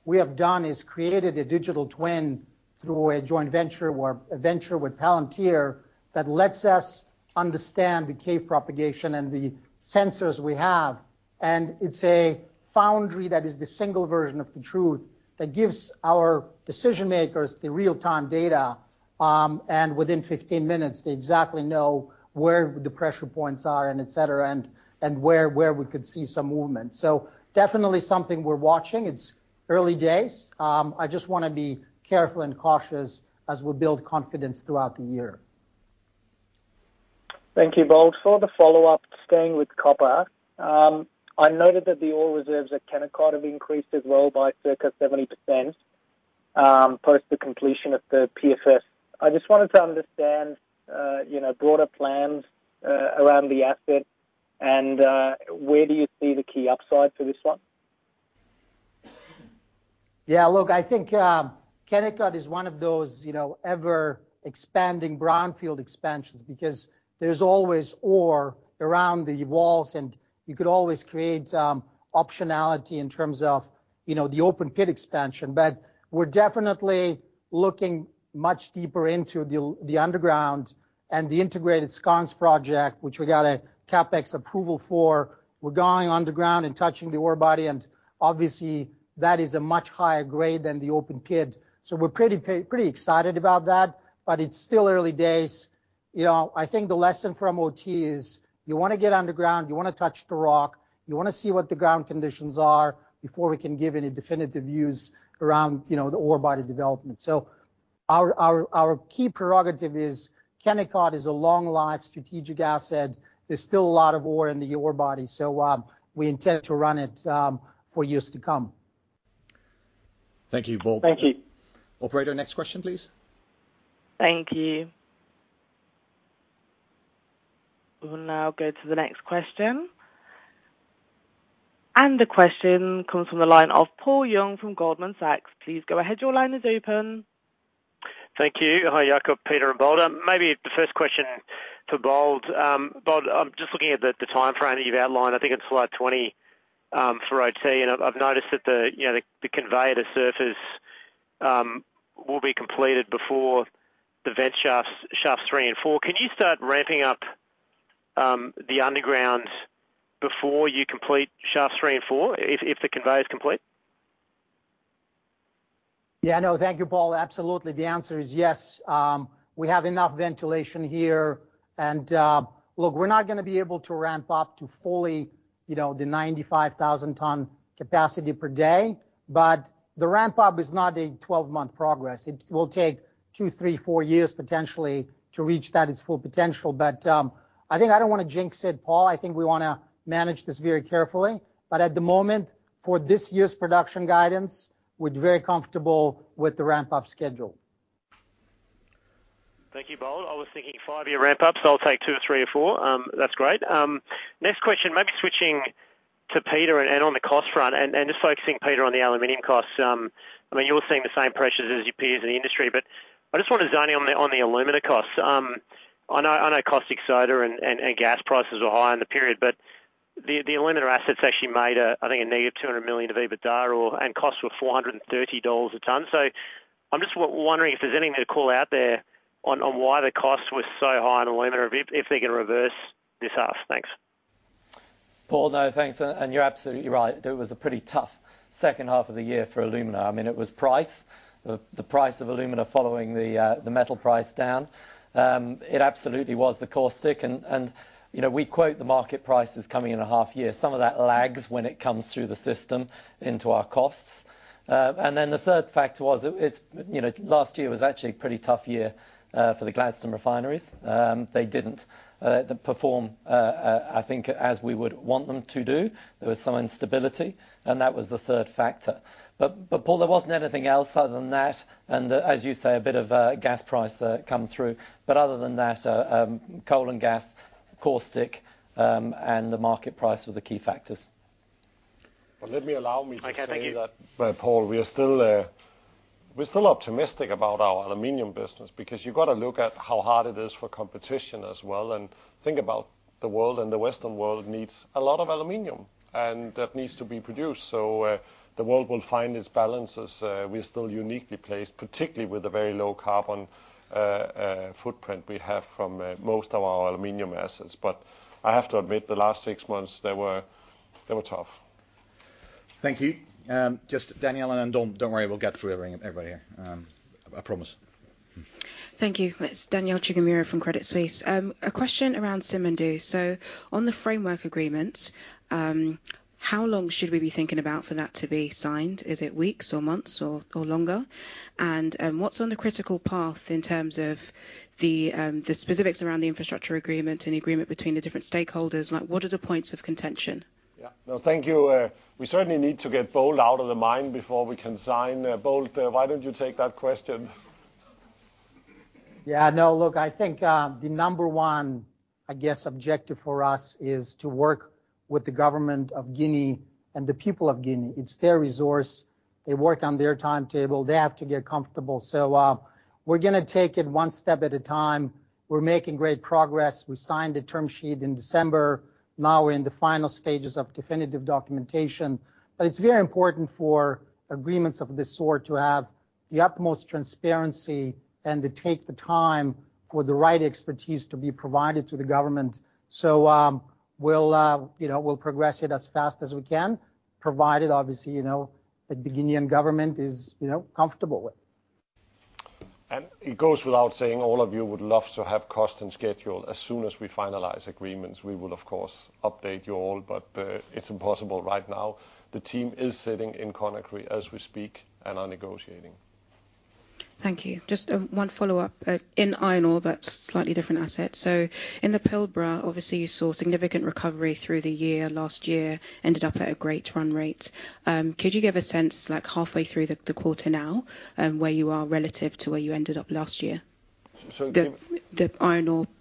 we have done is created a digital twin through a joint venture or a venture with Palantir that lets us understand the cave propagation and the sensors we have. It's a Foundry that is the single version of the truth that gives our decision makers the real-time data, and within 15 minutes, they exactly know where the pressure points are and etc, and where we could see some movement. Definitely something we're watching. It's early days. I just wanna be careful and cautious as we build confidence throughout the year. Thank you, Bold. For the follow-up, staying with copper, I noted that the oil reserves at Kennecott have increased as well by circa 70% post the completion of the PFS. I just wanted to understand, you know, broader plans around the asset and where do you see the key upside for this one? Yeah. Look, I think, Kennecott is one of those, you know, ever-expanding brownfield expansions because there's always ore around the walls, and you could always create optionality in terms of, you know, the open pit expansion. We're definitely looking much deeper into the underground and the integrated skarns project, which we got a CapEx approval for. We're going underground and touching the ore body, and obviously, that is a much higher grade than the open pit. We're pretty excited about that, but it's still early days. You know, I think the lesson from OT is you wanna get underground, you wanna touch the rock, you wanna see what the ground conditions are before we can give any definitive views around, you know, the ore body development. Our key prerogative is Kennecott is a long life strategic asset. There's still a lot of ore in the ore body, so, we intend to run it, for years to come. Thank you, Bold. Thank you. Operator, next question, please. Thank you. We'll now go to the next question. The question comes from the line of Paul Young from Goldman Sachs. Please go ahead. Your line is open. Thank you. Hi, Jakob, Peter, and Bold. Maybe the first question for Bold. Bold, I'm just looking at the timeframe that you've outlined. I think it's slide 20, for OT. I've noticed that the, you know, the conveyor to surface, will be completed before the vent shafts three and four. Can you start ramping up the underground before you complete shaft three and four if the conveyor is complete? Yeah. No. Thank you, Paul. Absolutely. The answer is yes. We have enough ventilation here. Look, we're not gonna be able to ramp up to fully, you know, the 95,000 ton capacity per day, the ramp-up is not a 12-month progress. It will take two, three, four years potentially to reach that its full potential. I think I don't wanna jinx it, Paul. I think we wanna manage this very carefully. At the moment, for this year's production guidance, we're very comfortable with the ramp-up schedule. Thank you, Bold. I was thinking five year ramp-up, so I'll take two, three or four. That's great. Next question, maybe switching to Peter and on the cost front and just focusing, Peter, on the aluminum costs. I mean, you're seeing the same pressures as your peers in the industry, but I just wonder zoning on the alumina costs. I know caustic soda and gas prices were high in the period, but the alumina assets actually made, I think, a negative $200 million of EBITDA and costs were $430 a ton. I'm just wondering if there's anything to call out there on why the costs were so high on alumina or if they can reverse this half. Thanks. Paul. No, thanks. You're absolutely right. It was a pretty tough second half of the year for alumina. I mean, it was price. The price of alumina following the metal price down. It absolutely was the caustic. You know, we quote the market prices coming in a half year. Some of that lags when it comes through the system into our costs. The third factor was it's, you know, last year was actually a pretty tough year for the Gladstone refineries. They didn't perform, I think as we would want them to do. There was some instability, and that was the third factor. Paul, there wasn't anything else other than that and, as you say, a bit of gas price come through. Other than that, coal and gas, caustic, and the market price were the key factors. Well, allow me to say that. Okay. Thank you. By Paul. We're still optimistic about our aluminum business because you've got to look at how hard it is for competition as well and think about the world. The Western world needs a lot of aluminum. That needs to be produced. The world will find its balances. We're still uniquely placed, particularly with the very low carbon footprint we have from most of our aluminum assets. I have to admit, the last six months, they were tough. Thank you. Just Danielle and then Don. Don't worry, we'll get through everything, everybody here, I promise. Thank you. It's Danielle Chigumira from Credit Suisse. A question around Simandou. On the framework agreement, how long should we be thinking about for that to be signed? Is it weeks, or months, or longer? What's on the critical path in terms of the specifics around the infrastructure agreement and the agreement between the different stakeholders? Like, what are the points of contention? Yeah. No, thank you. We certainly need to get Bold out of the mine before we can sign. Bold, why don't you take that question? Yeah, no, look, I think, the number one, I guess, objective for us is to work with the government of Guinea and the people of Guinea. It's their resource. They work on their timetable. They have to get comfortable. We're gonna take it one step at a time. We're making great progress. We signed the term sheet in December. Now we're in the final stages of definitive documentation. It's very important for agreements of this sort to have the utmost transparency and to take the time for the right expertise to be provided to the government. We'll, you know, we'll progress it as fast as we can, provided obviously, you know, the Guinean government is, you know, comfortable with. It goes without saying, all of you would love to have cost and schedule as soon as we finalize agreements. We will of course update you all, but it's impossible right now. The team is sitting in Conakry as we speak and are negotiating. Thank you. Just one follow-up. In iron ore, but slightly different asset. In the Pilbara, obviously you saw significant recovery through the year. Last year ended up at a great run rate. Could you give a sense like halfway through the quarter now, where you are relative to where you ended up last year? The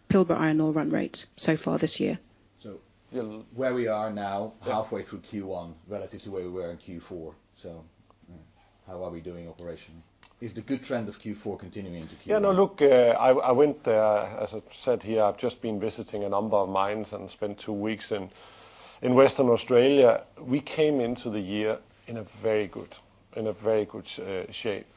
Pilbara iron ore run rate so far this year. Where we are now. Yeah Halfway through Q1 relative to where we were in Q4. How are we doing operationally? Is the good trend of Q4 continuing to Q1? Yeah, no, look, I went as I've said here, I've just been visiting a number of mines and spent two weeks in Western Australia. We came into the year in a very good shape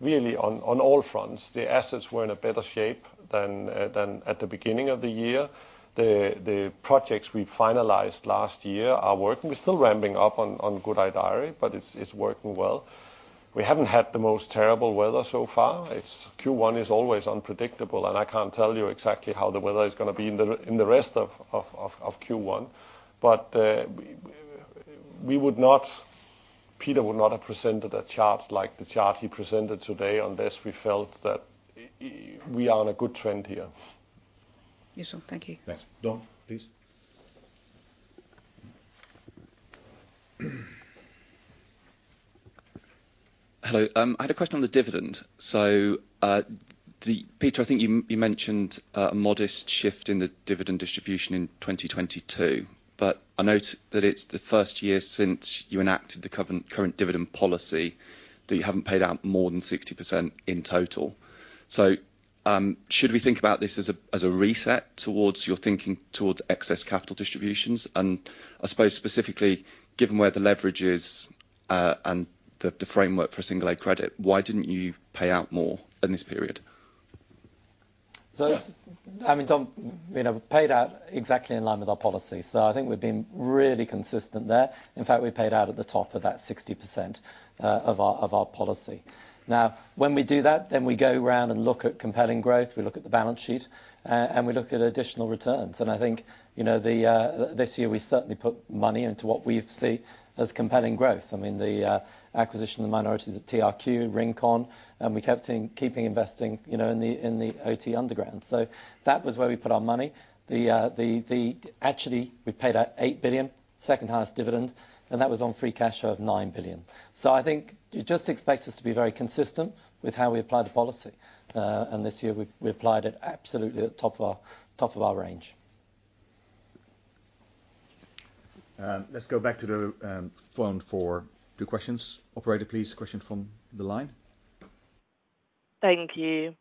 really on all fronts. The assets were in a better shape than at the beginning of the year. The projects we finalized last year are working. We're still ramping up on Gudai-Darri, but it's working well. We haven't had the most terrible weather so far. Q1 is always unpredictable, and I can't tell you exactly how the weather is gonna be in the rest of Q1. We would not. Peter would not have presented a chart like the chart he presented today unless we felt that we are on a good trend here. Yes. Thank you. Thanks. Don, please. Hello, I had a question on the dividend. Peter, I think you mentioned a modest shift in the dividend distribution in 2022, but I note that it's the first year since you enacted the current dividend policy that you haven't paid out more than 60% in total. Should we think about this as a reset towards your thinking towards excess capital distributions? I suppose specifically, given where the leverage is, and the framework for single A credit, why didn't you pay out more in this period? I mean, Don, you know, we paid out exactly in line with our policy, so I think we've been really consistent there. In fact, we paid out at the top of that 60% of our policy. Now, when we do that, then we go around and look at compelling growth, we look at the balance sheet, and we look at additional returns. And I think, you know, this year we certainly put money into what we see as compelling growth. I mean, the acquisition of the minorities at TRQ, Rincon, and we keeping investing, you know, in the OT Underground. That was where we put our money. Actually, we paid out $8 billion, second highest dividend, and that was on free cash flow of $9 billion. I think you just expect us to be very consistent with how we apply the policy. This year we applied it absolutely at the top of our range. Let's go back to the phone for the questions. Operator, please, question from the line. Thank you.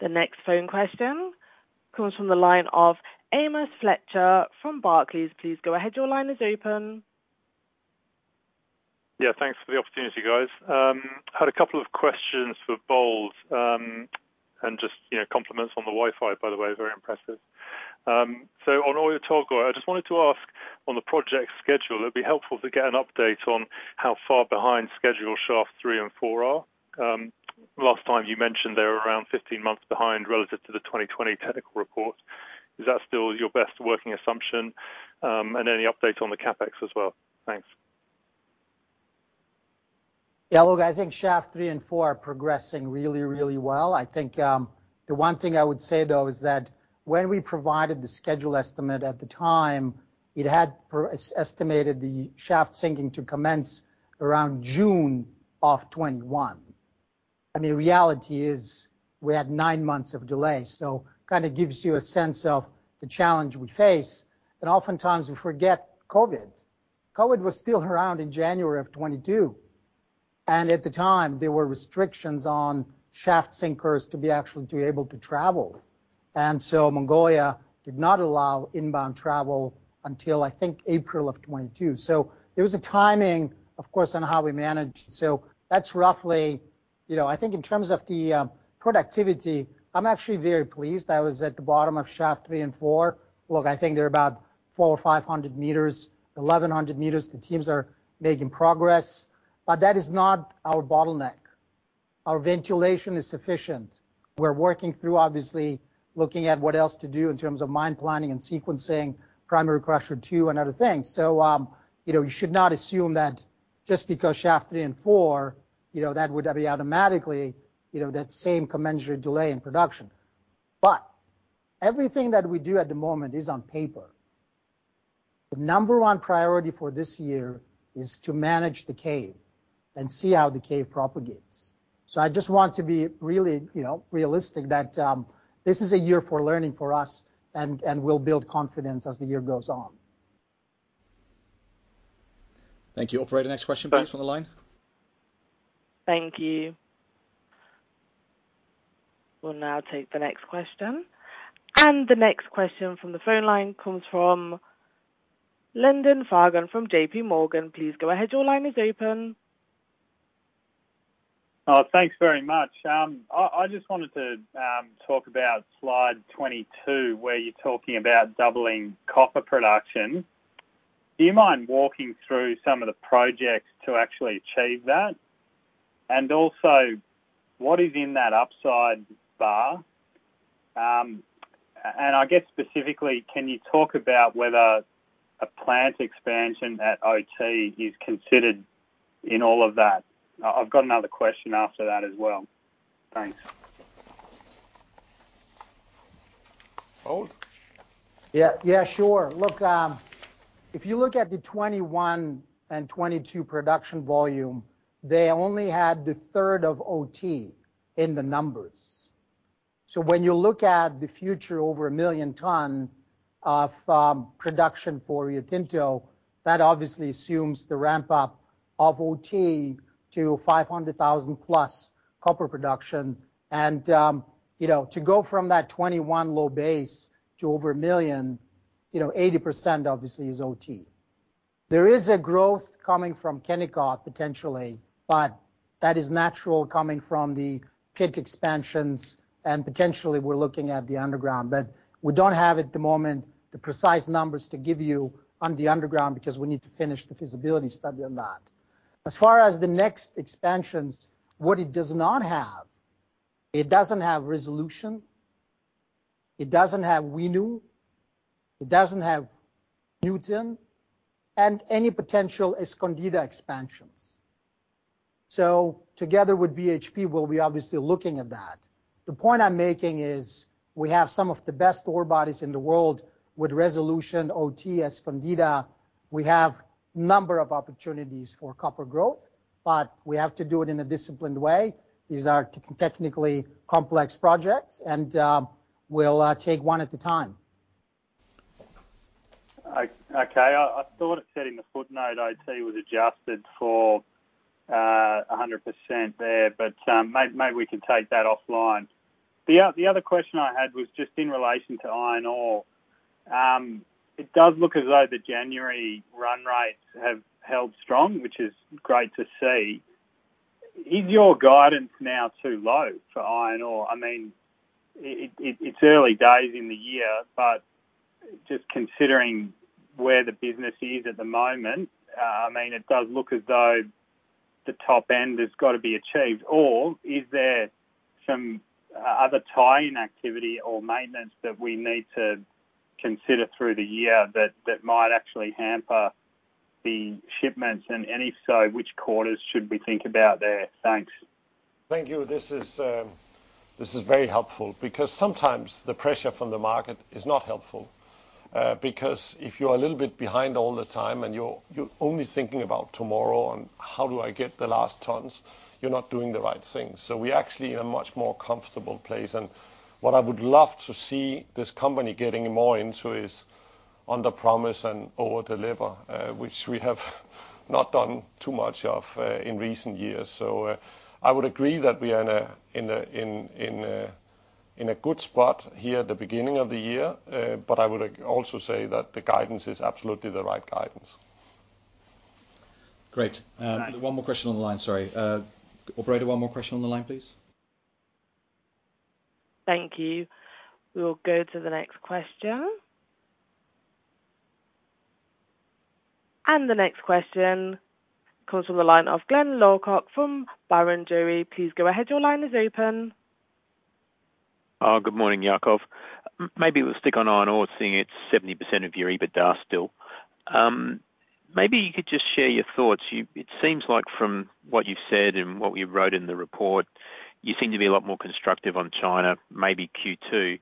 The next phone question comes from the line of Amos Fletcher from Barclays. Please go ahead, your line is open. Yeah. Thanks for the opportunity, guys. Had a couple of questions for Bold, and just, you know, compliments on the Wi-Fi, by the way. Very impressive. On Oyu Tolgoi, I just wanted to ask on the project schedule, it'd be helpful to get an update on how far behind schedule shaft three and four are. Last time you mentioned they were around 15 months behind relative to the 2020 technical report. Is that still your best working assumption? Any update on the CapEx as well? Thanks. Look, I think shaft three and four are progressing really, really well. I think, the one thing I would say though is that when we provided the schedule estimate at the time, it had estimated the shaft sinking to commence around June of 2021. I mean, reality is we had nine months of delay, kind of gives you a sense of the challenge we face. Oftentimes we forget COVID. COVID was still around in January of 2022, and at the time there were restrictions on shaft sinkers actually to be able to travel. Mongolia did not allow inbound travel until I think April of 2022. There was a timing of course on how we managed. You know, I think in terms of the productivity, I'm actually very pleased. I was at the bottom of shaft three and four. Look, I think they're about 400 or 500 meters, 1,100 meters. The teams are making progress. That is not our bottleneck. Our ventilation is sufficient. We're working through, obviously, looking at what else to do in terms of mine planning and sequencing, primary crusher two and other things. you know, you should not assume that just because shaft three and four, you know, that would be automatically, you know, that same commensurate delay in production. Everything that we do at the moment is on paper. The number one priority for this year is to manage the cave and see how the cave propagates. I just want to be really, you know, realistic that, this is a year for learning for us and we'll build confidence as the year goes on. Thank you. Operator, next question, please, on the line. Thank you. We'll now take the next question. The next question from the phone line comes from Lyndon Fagan from JPMorgan. Please go ahead. Your line is open. Oh, thanks very much. I just wanted to talk about slide 22, where you're talking about doubling copper production. Do you mind walking through some of the projects to actually achieve that? What is in that upside bar? I guess specifically, can you talk about whether a plant expansion at OT is considered in all of that? I've got another question after that as well. Thanks. Bold. Yeah. Yeah, sure. Look, if you look at the 21 and 22 production volume, they only had the third of OT in the numbers. When you look at the future over 1 million ton of production for Rio Tinto, that obviously assumes the ramp-up of OT to 500,000 plus copper production. You know, to go from that 21 low base to over 1 million, you know, 80% obviously is OT. There is a growth coming from Kennecott potentially, but that is natural coming from the pit expansions and potentially we're looking at the underground. We don't have at the moment the precise numbers to give you on the underground because we need to finish the feasibility study on that. As far as the next expansions, what it does not have, it doesn't have Resolution, it doesn't have Winu, it doesn't have Nuton and any potential Escondida expansions. Together with BHP, we'll be obviously looking at that. The point I'm making is we have some of the best ore bodies in the world with Resolution, OT, Escondida. We have number of opportunities for copper growth, but we have to do it in a disciplined way. These are technically complex projects, and we'll take one at a time. Okay. I thought it said in the footnote OT was adjusted for 100% there, but maybe we can take that offline. The other question I had was just in relation to iron ore. It does look as though the January run rates have held strong, which is great to see. Is your guidance now too low for iron ore? I mean, it's early days in the year, but just considering where the business is at the moment, I mean, it does look as though the top end has got to be achieved. Is there some other tie-in activity or maintenance that we need to consider through the year that might actually hamper the shipments? And if so, which quarters should we think about there? Thanks. Thank you. This is very helpful because sometimes the pressure from the market is not helpful. Because if you're a little bit behind all the time and you're only thinking about tomorrow and how do I get the last tons, you're not doing the right thing. We're actually in a much more comfortable place. What I would love to see this company getting more into is under promise and over deliver, which we have not done too much of, in recent years. I would agree that we are in a good spot here at the beginning of the year. I would also say that the guidance is absolutely the right guidance. Great. Thanks. One more question on the line. Sorry. operator, one more question on the line, please. Thank you. We'll go to the next question. The next question comes from the line of Glyn Lawcock from Barrenjoey. Please go ahead. Your line is open. Oh, good morning, Jakob. maybe we'll stick on iron ore, seeing it's 70% of your EBITDA still. maybe you could just share your thoughts. It seems like from what you've said and what we wrote in the report, you seem to be a lot more constructive on China, maybe Q2.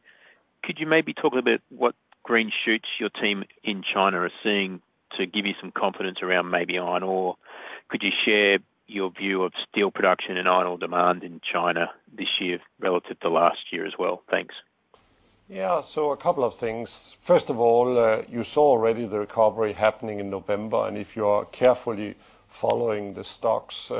Could you maybe talk a bit what green shoots your team in China are seeing to give you some confidence around maybe iron ore? Could you share your view of steel production and iron ore demand in China this year relative to last year as well? Thanks. A couple of things. First of all, you saw already the recovery happening in November. If you are carefully following the stocks,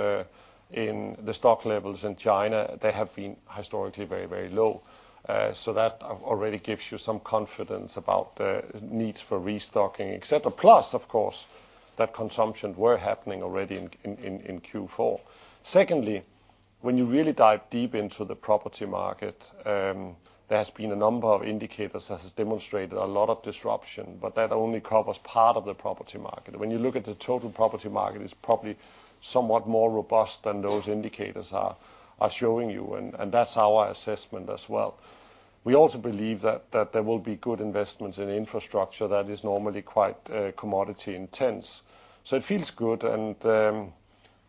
in the stock levels in China, they have been historically very, very low. That already gives you some confidence about the needs for restocking, et cetera. Plus, of course, that consumption were happening already in Q4. Secondly, when you really dive deep into the property market, there has been a number of indicators that has demonstrated a lot of disruption, but that only covers part of the property market. When you look at the total property market, it's probably somewhat more robust than those indicators are showing you, and that's our assessment as well. We also believe that there will be good investments in infrastructure that is normally quite commodity intense. It feels good, and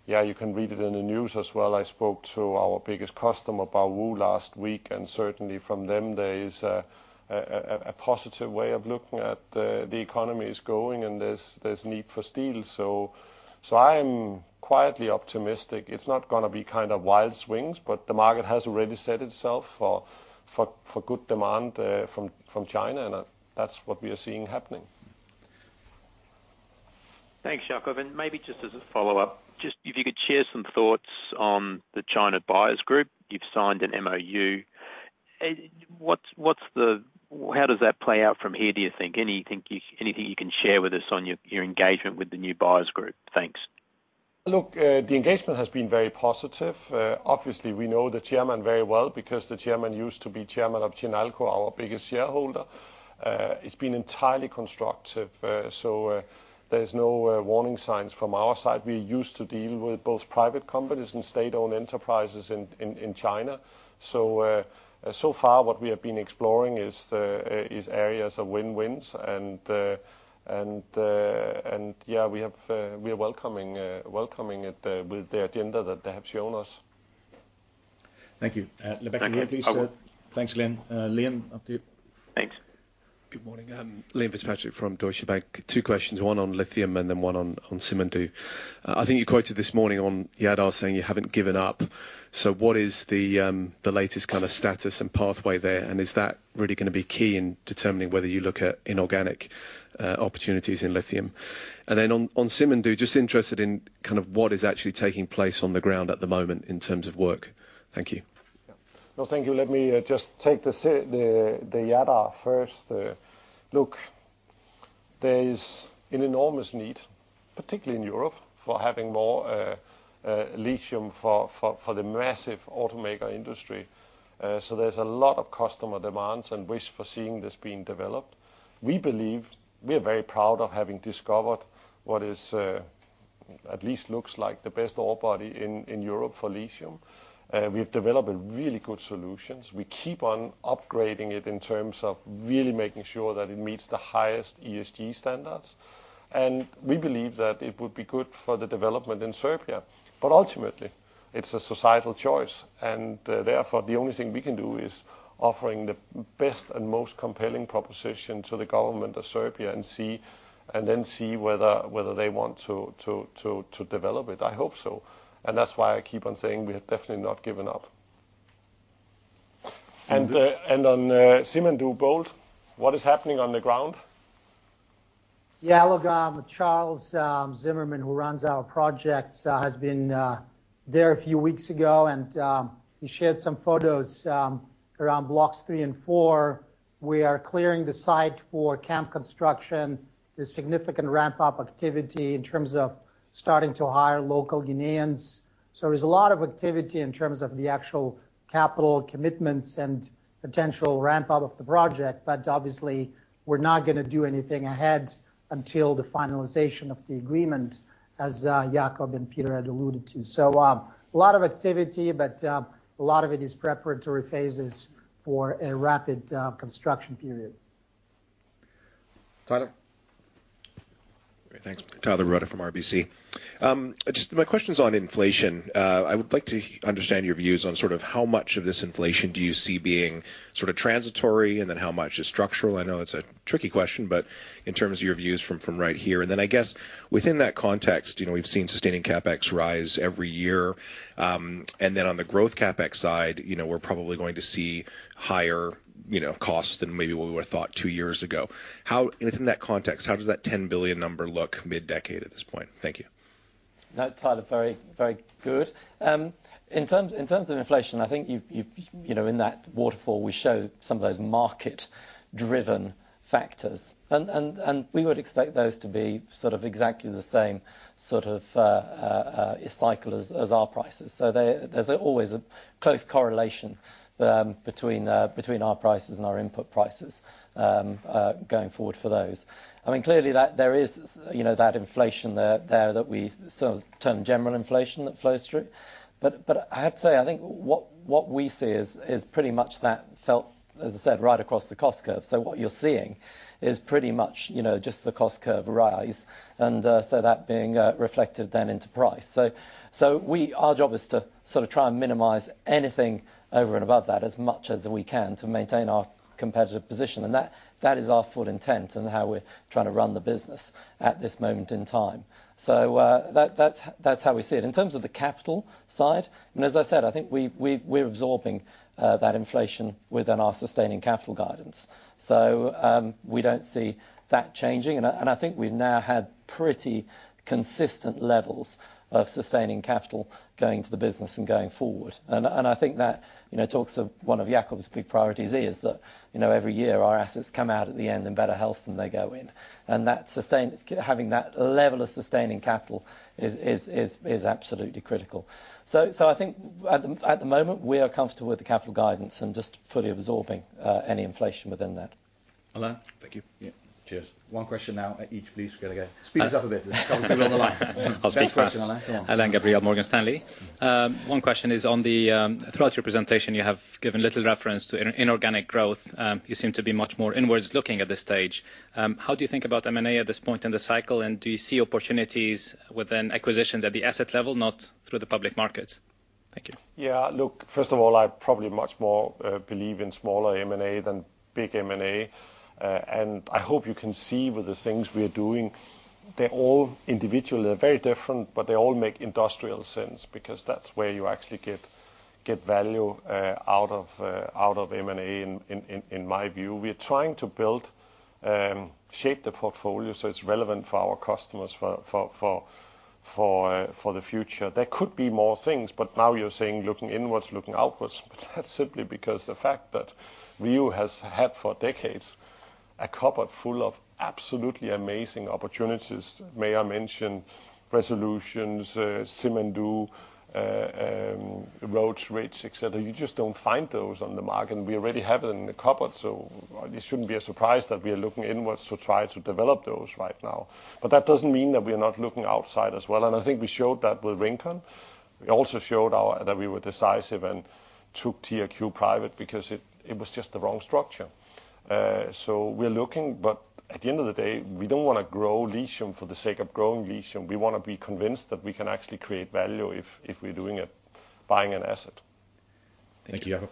yeah, you can read it in the news as well. I spoke to our biggest customer, Baowu, last week. Certainly from them, there is a positive way of looking at the economy's going, and there's need for steel. I am quietly optimistic. It's not gonna be kind of wild swings, but the market has already set itself for good demand from China, and that's what we are seeing happening. Thanks, Jakob. Maybe just as a follow-up, just if you could share some thoughts on the China buyers group. You've signed an MoU. How does that play out from here, do you think? Anything you can share with us on your engagement with the new buyers group? Thanks. Look, the engagement has been very positive. Obviously, we know the chairman very well because the chairman used to be chairman of Chinalco, our biggest shareholder. It's been entirely constructive, so there's no warning signs from our side. We're used to dealing with both private companies and state-owned enterprises in China. So far, what we have been exploring is areas of win-wins. Yeah, we have, we are welcoming it with the agenda that they have shown us. Thank you. Thank you. Please. Thanks, Glyn. Liam, up to you. Thanks. Good morning. I'm Liam Fitzpatrick from Deutsche Bank. two questions, one on lithium, one on Simandou. I think you quoted this morning on Jadar saying you haven't given up. What is the latest kind of status and pathway there, and is that really gonna be key in determining whether you look at inorganic opportunities in lithium? On Simandou, just interested in kind of what is actually taking place on the ground at the moment in terms of work. Thank you. No, thank you. Let me just take the Jadar first. Look, there is an enormous need, particularly in Europe, for having more lithium for the massive automaker industry. There's a lot of customer demands and wish for seeing this being developed. We believe. We are very proud of having discovered what is, at least looks like the best ore body in Europe for lithium. We've developed a really good solutions. We keep on upgrading it in terms of really making sure that it meets the highest ESG standards, and we believe that it would be good for the development in Serbia. Ultimately, it's a societal choice, and, therefore, the only thing we can do is offering the best and most compelling proposition to the government of Serbia and see. Then see whether they want to develop it. I hope so, and that's why I keep on saying we have definitely not given up. On Simandou, Bold. What is happening on the ground? Yeah. Look, Charles Zimmerman, who runs our projects, has been there a few weeks ago and he shared some photos around blocks three and four. We are clearing the site for camp construction. There's significant ramp-up activity in terms of starting to hire local Ghanaians. There's a lot of activity in terms of the actual capital commitments and potential ramp-up of the project. Obviously, we're not gonna do anything ahead until the finalization of the agreement, as Jakob and Peter had alluded to. A lot of activity, but a lot of it is preparatory phases for a rapid construction period. Tyler? Thanks. Tyler Broda from RBC. Just my question's on inflation. I would like to understand your views on sort of how much of this inflation do you see being sort of transitory, and then how much is structural? I know it's a tricky question, but in terms of your views from right here. I guess within that context, you know, we've seen sustaining CapEx rise every year. On the growth CapEx side, you know, we're probably going to see higher, you know, costs than maybe what we would've thought two years ago. And within that context, how does that $10 billion number look mid-decade at this point? Thank you. No, Tyler, very, very good. In terms of inflation, I think you've, you know, in that waterfall, we show some of those market-driven factors, and we would expect those to be sort of exactly the same sort of cycle as our prices. There's always a close correlation between our prices and our input prices going forward for those. I mean, clearly that there is, you know, that inflation there that we sort of term general inflation that flows through. I have to say, I think what we see is pretty much that felt, as I said, right across the cost curve. What you're seeing is pretty much, you know, just the cost curve rise and so that being reflected then into price. Our job is to sort of try and minimize anything over and above that as much as we can to maintain our competitive position, and that is our full intent and how we're trying to run the business at this moment in time. That's how we see it. In terms of the capital side, as I said, I think we're absorbing that inflation within our sustaining capital guidance. We don't see that changing, and I think we've now had pretty consistent levels of sustaining capital going to the business and going forward. I think that, you know, talks of one of Jakob's big priorities is that, you know, every year our assets come out at the end in better health than they go in. Having that level of sustaining capital is absolutely critical. I think at the moment, we are comfortable with the capital guidance and just fully absorbing any inflation within that. Alain? Thank you. Yeah. Cheers. one question now at each, please. We got to go. Speed us up a bit. We're on the line. Best question, Alain. Come on. Alain Gabriel, Morgan Stanley. Throughout your presentation, you have given little reference to inorganic growth. You seem to be much more inwards looking at this stage. How do you think about M&A at this point in the cycle, and do you see opportunities within acquisitions at the asset level, not through the public market? Thank you. Yeah. Look, first of all, I probably much more believe in smaller M&A than big M&A. I hope you can see with the things we are doing, they're all individually very different, but they all make industrial sense because that's where you actually get value out of out of M&A in in in my view. We are trying to build shape the portfolio so it's relevant for our customers for for for for for the future. There could be more things, now you're saying, looking inwards, looking outwards, but that's simply because the fact that Rio has had for decades a cupboard full of absolutely amazing opportunities. May I mention resolutions, Simandou, Rhodes Ridge, etc. You just don't find those on the market. We already have it in the cupboard, so this shouldn't be a surprise that we are looking inwards to try to develop those right now. That doesn't mean that we are not looking outside as well, and I think we showed that with Rincon. We also showed that we were decisive and took TRQ private because it was just the wrong structure. We're looking, but at the end of the day, we don't wanna grow lithium for the sake of growing lithium. We wanna be convinced that we can actually create value if we're doing it, buying an asset. Thank you.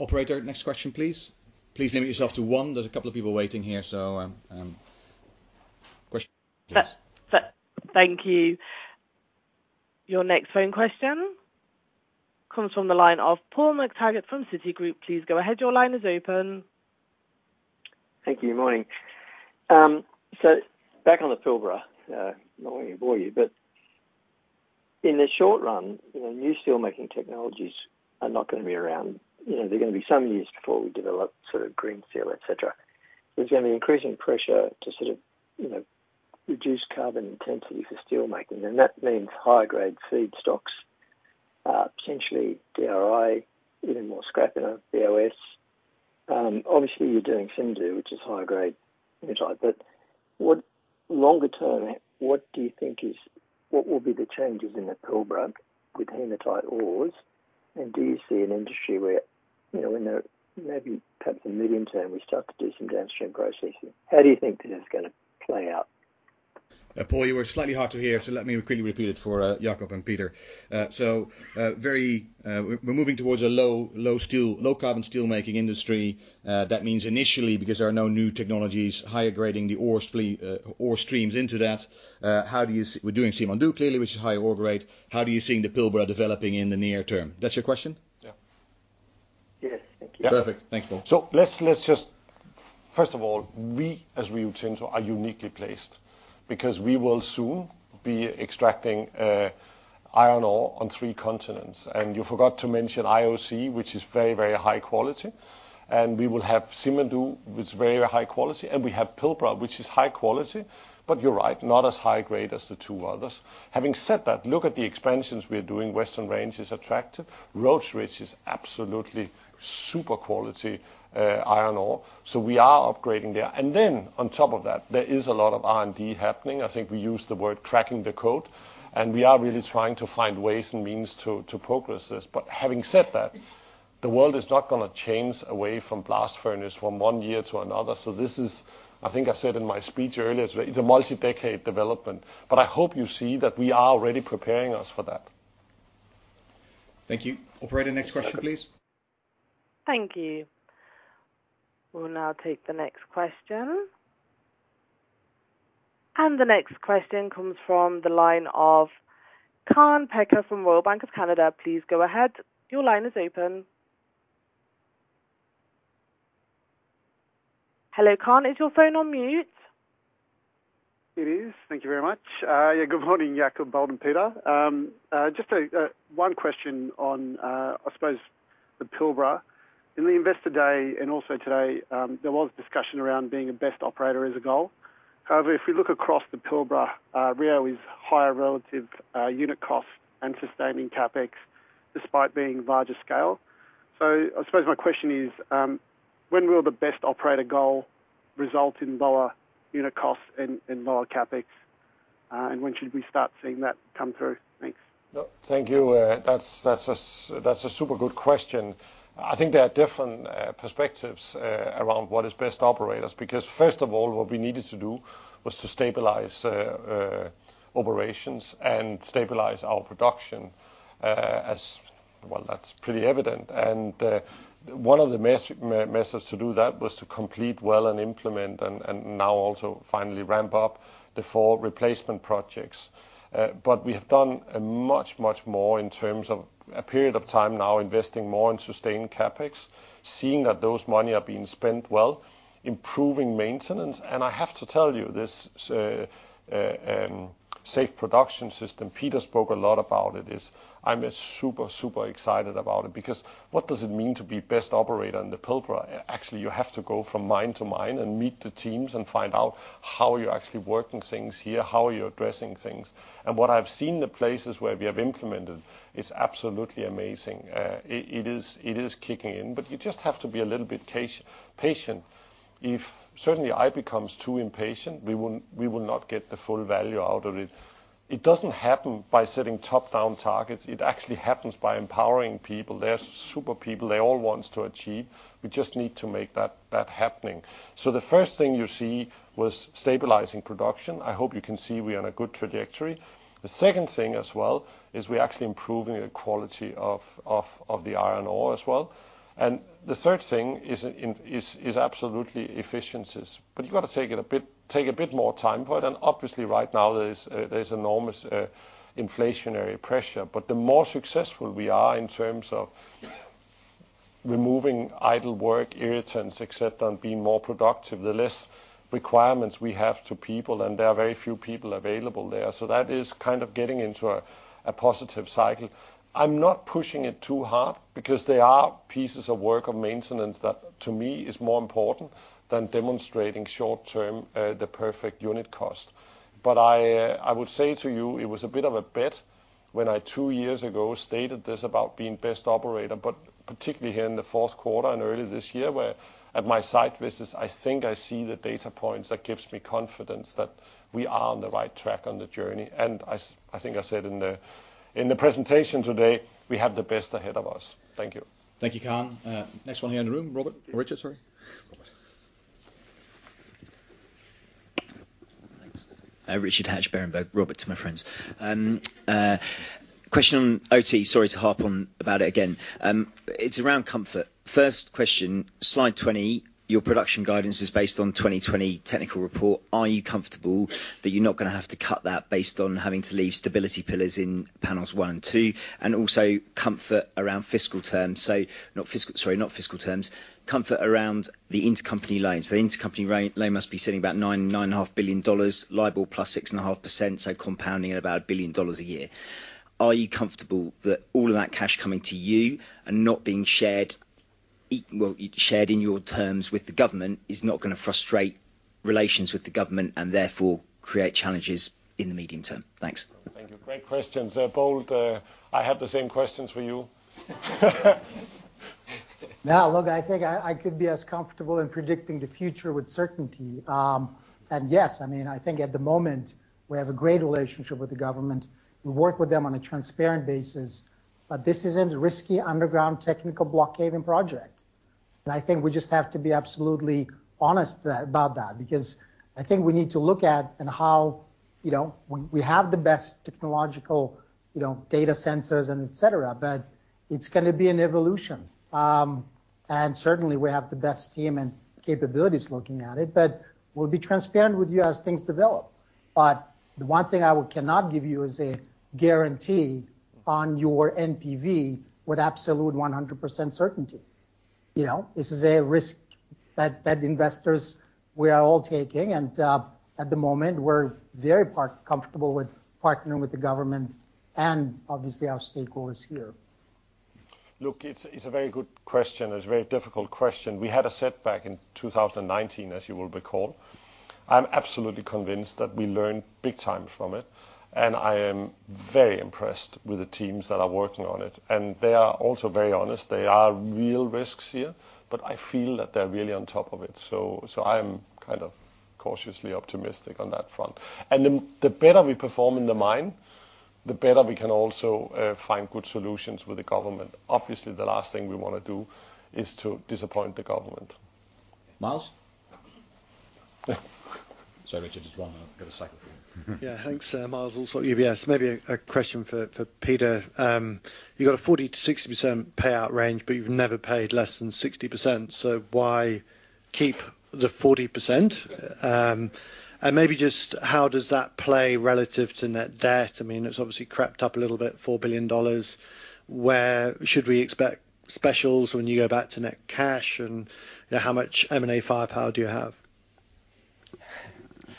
Operator, next question, please. Please limit yourself to one. There's a couple of people waiting here, question please. Thank you. Your next phone question comes from the line of Paul McTaggart from Citigroup. Please go ahead. Your line is open. Thank you. Morning. Back on the Pilbara, not to bore you, but in the short run, you know, new steelmaking technologies are not gonna be around. You know, they're gonna be some years before we develop sort of green steel, et cetera. There's gonna be increasing pressure to sort of, you know, reduce carbon intensity for steelmaking, and that means higher grade feedstocks, potentially DRI, even more scrap in our BOS. Obviously you're doing Simandou, which is higher grade hematite. What longer term, what do you think What will be the changes in the Pilbara with hematite ores, and do you see an industry where, you know, in the maybe perhaps the midterm, we start to do some downstream processing? How do you think this is gonna play out? Paul, you were slightly hard to hear, so let me quickly repeat it for Jakob and Peter. Very, we're moving towards a low, low steel, low carbon steel making industry. That means initially, because there are no new technologies, higher grading the ores ore streams into that, how do you see. We're doing Simandou, clearly, which is higher ore grade. How do you seeing the Pilbara developing in the near term? That's your question? Yeah. Yes. Thank you. Perfect. Thanks, Paul. Let's First of all, we, as Rio Tinto, are uniquely placed because we will soon be extracting iron ore on three continents. You forgot to mention IOC, which is very high quality. We will have Simandou, which is very high quality, and we have Pilbara, which is high quality, but you're right, not as high grade as the two others. Having said that, look at the expansions we are doing. Western Range is attractive. Rhodes Ridge is absolutely super quality iron ore. We are upgrading there. On top of that, there is a lot of R&D happening. I think we use the word cracking the code, and we are really trying to find ways and means to progress this. Having said that, the world is not gonna change away from blast furnace from one year to another. I think I said in my speech earlier, it's a multi-decade development, but I hope you see that we are already preparing us for that. Thank you. Operator, next question, please. Thank you. We'll now take the next question. The next question comes from the line of Kaan Peker from Royal Bank of Canada. Please go ahead. Your line is open. Hello, Kaan. Is your phone on mute? It is. Thank you very much. Yeah, good morning, Jakob, Paul, and Peter. Just a one question on I suppose the Pilbara. In the investor day and also today, there was discussion around being a best operator as a goal. However, if we look across the Pilbara, Rio is higher relative unit cost and sustaining CapEx despite being larger scale. I suppose my question is, when will the best operator goal result in lower unit costs and lower CapEx, and when should we start seeing that come through? Thanks. No. Thank you. That's, that's a super good question. I think there are different perspectives around what is best operators, because first of all, what we needed to do was to stabilize operations and stabilize our production. Well, that's pretty evident. One of the methods to do that was to complete well and implement and now also finally ramp up the four replacement projects. We have done a much, much more in terms of a period of time now investing more in sustained CapEx, seeing that those money are being spent well, improving maintenance. I have to tell you this Safe Production System. Peter spoke a lot about it, is I'm super excited about it because what does it mean to be best operator in the Pilbara? Actually, you have to go from mine to mine and meet the teams and find out how you're actually working things here, how you're addressing things. What I've seen the places where we have implemented, it's absolutely amazing. It is kicking in, but you just have to be a little bit patient. If certainly I becomes too impatient, we will not get the full value out of it. It doesn't happen by setting top-down targets. It actually happens by empowering people. They're super people. They all wants to achieve. We just need to make that happening. The first thing you see was stabilizing production. I hope you can see we're on a good trajectory. The second thing as well is we're actually improving the quality of the iron ore as well. The third thing is absolutely efficiencies. You've got to take a bit more time for it. Obviously right now there's enormous inflationary pressure. The more successful we are in terms of removing idle work, irritants, et cetera, and being more productive, the less requirements we have to people, and there are very few people available there. That is kind of getting into a positive cycle. I'm not pushing it too hard because there are pieces of work of maintenance that, to me, is more important than demonstrating short-term the perfect unit cost. I would say to you, it was a bit of a bet when I two years ago stated this about being best operator, but particularly here in the Q4 and earlier this year where at my site visits, I think I see the data points that gives me confidence that we are on the right track on the journey. I think I said in the presentation today, we have the best ahead of us. Thank you. Thank you, Kaan. next one here in the room. Robert. Richard, sorry. Robert. Thanks. Richard Hatch, Berenberg. Robert to my friends. Question on OT. Sorry to harp on about it again. It's around comfort. First question, slide 20, your production guidance is based on 2020 technical report. Are you comfortable that you're not gonna have to cut that based on having to leave stability pillars in panels one and two? Also comfort around fiscal terms. Sorry, not fiscal terms. Comfort around the intercompany loans. The intercompany loan must be sitting about $9.5 billion liable +6.5%, so compounding at about $1 billion a year. Are you comfortable that all of that cash coming to you and not being well, shared in your terms with the government is not gonna frustrate relations with the government and therefore create challenges in the medium term? Thanks. Thank you. Great questions. They're bold. I have the same questions for you. I think I could be as comfortable in predicting the future with certainty. Yes, I mean, I think at the moment we have a great relationship with the government. We work with them on a transparent basis. This is a risky underground technical block caving project. I think we just have to be absolutely honest about that, because I think we need to look at, you know, when we have the best technological, you know, data sensors and et cetera. It's gonna be an evolution. Certainly we have the best team and capabilities looking at it. We'll be transparent with you as things develop. The one thing I would cannot give you is a guarantee on your NPV with absolute 100% certainty. You know? This is a risk that investors, we are all taking, and at the moment we're very part comfortable with partnering with the government and obviously our stakeholders here. Look, it's a very good question. It's a very difficult question. We had a setback in 2019, as you will recall. I'm absolutely convinced that we learned big time from it, and I am very impressed with the teams that are working on it, and they are also very honest. There are real risks here, but I feel that they're really on top of it. I'm kind of cautiously optimistic on that front. The better we perform in the mine, the better we can also, find good solutions with the government. Obviously, the last thing we wanna do is to disappoint the government. Myles? Sorry, Richard. Just one more. Got a cycle thing. Yeah, thanks. Myles Allsop UBS. Maybe a question for Peter. You got a 40%-60% payout range, but you've never paid less than 60%, so why keep the 40%? Maybe just how does that play relative to net debt? I mean, it's obviously crept up a little bit, $4 billion. Where should we expect specials when you go back to net cash? You know, how much M&A firepower do you have?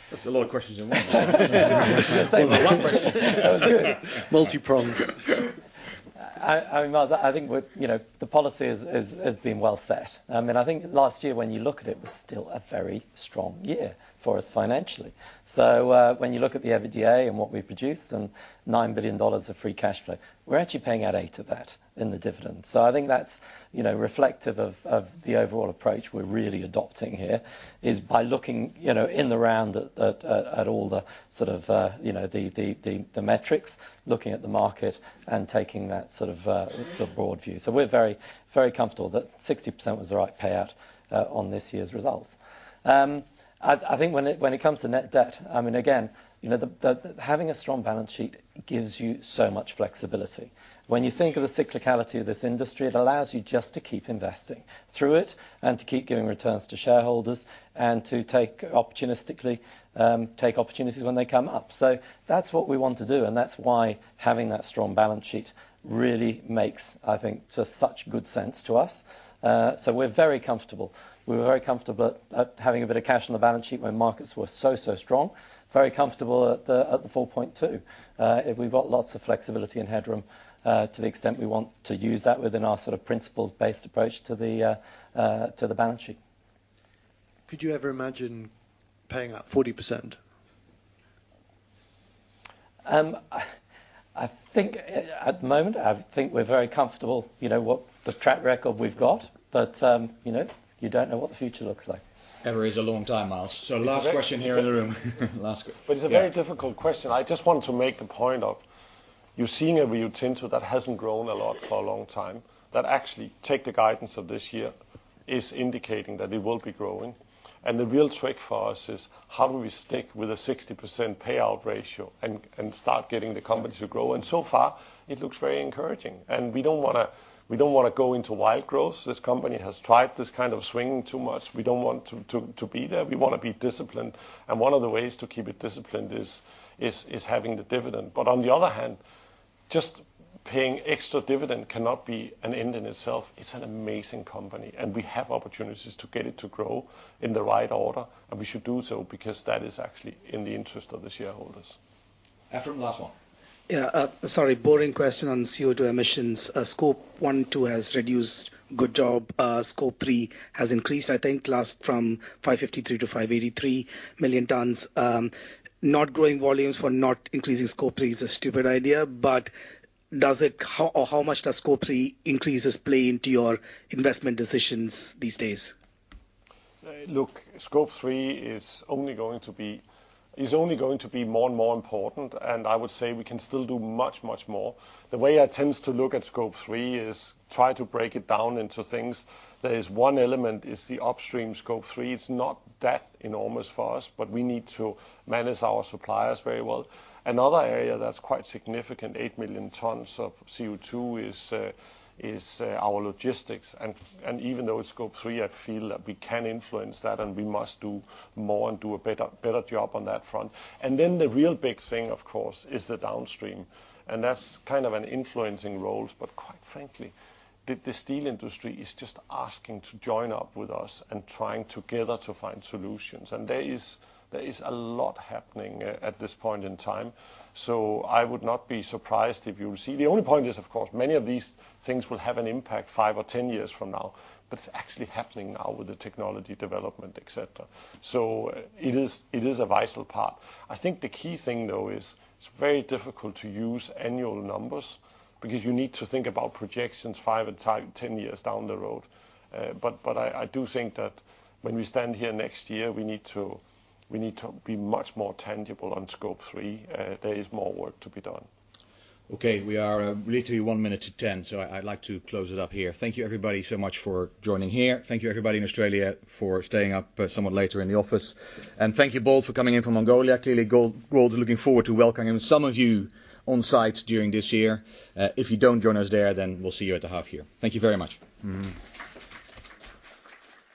That's a lot of questions in one. I was gonna say they're lumpen. That was good. Multi-pronged. I mean, Myles, I think we're, you know, the policy has been well set. I mean, I think last year when you look at it was still a very strong year for us financially. When you look at the EBITDA and what we produced and $9 billion of free cash flow, we're actually paying out eight of that in the dividends. I think that's, you know, reflective of the overall approach we're really adopting here, is by looking, you know, in the round at all the sort of, you know, the metrics, looking at the market and taking that sort of broad view. We're very, very comfortable that 60% was the right payout on this year's results. I think when it comes to net debt, I mean, again, you know, the having a strong balance sheet gives you so much flexibility. When you think of the cyclicality of this industry, it allows you just to keep investing through it and to keep giving returns to shareholders and to take opportunistically, take opportunities when they come up. That's what we want to do, and that's why having that strong balance sheet really makes, I think, just such good sense to us. We're very comfortable. We were very comfortable at having a bit of cash on the balance sheet when markets were so strong. Very comfortable at the 4.2. If we've got lots of flexibility and headroom, to the extent we want to use that within our sort of principles-based approach to the balance sheet. Could you ever imagine paying out 40%? I think at the moment I think we're very comfortable, you know, what the track record we've got. You know, you don't know what the future looks like. Ever is a long time, Myles. Last question here in the room. Yeah. It's a very difficult question. I just want to make the point of you've seen a Rio Tinto that hasn't grown a lot for a long time, that actually take the guidance of this year is indicating that it will be growing. The real trick for us is how do we stick with a 60% payout ratio and start getting the company to grow? So far it looks very encouraging. We don't wanna, we don't wanna go into wild growth. This company has tried this kind of swing too much. We don't want to be there. We wanna be disciplined, and one of the ways to keep it disciplined is having the dividend. On the other hand, just paying extra dividend cannot be an end in itself. It's an amazing company, and we have opportunities to get it to grow in the right order, and we should do so because that is actually in the interest of the shareholders. Edward, last one. Yeah. Sorry, boring question on CO2 emissions. Scope one, two has reduced. Good job. Scope three has increased, I think last from 553 to 583 million tons. Not growing volumes for not increasing Scope three is a stupid idea. Does it or how much does Scope three increases play into your investment decisions these days? Look, Scope three is only going to be more and more important, and I would say we can still do much, much more. The way I tend to look at Scope three is try to break it down into things. There is one element is the upstream Scope three. It's not that enormous for us, but we need to manage our suppliers very well. Another area that's quite significant, eight million tons of CO2 is our logistics and even though it's Scope three, I feel that we can influence that and we must do more and do a better job on that front. And then the real big thing, of course, is the downstream, and that's kind of an influencing role. Quite frankly, the steel industry is just asking to join up with us and trying together to find solutions. There is a lot happening at this point in time. I would not be surprised if you see. The only point is, of course, many of these things will have an impact five or 10 years from now, but it's actually happening now with the technology development, et cetera. It is a vital part. I think the key thing, though, is it's very difficult to use annual numbers because you need to think about projections five and 10 years down the road. I do think that when we stand here next year, we need to be much more tangible on Scope three. There is more work to be done. Okay. We are literally one minute to 10, so I'd like to close it up here. Thank you everybody so much for joining here. Thank you everybody in Australia for staying up somewhat later in the office. Thank you Bold for coming in from Mongolia. Clearly, Gold is looking forward to welcoming some of you on site during this year. If you don't join us there, then we'll see you at the half year. Thank you very much.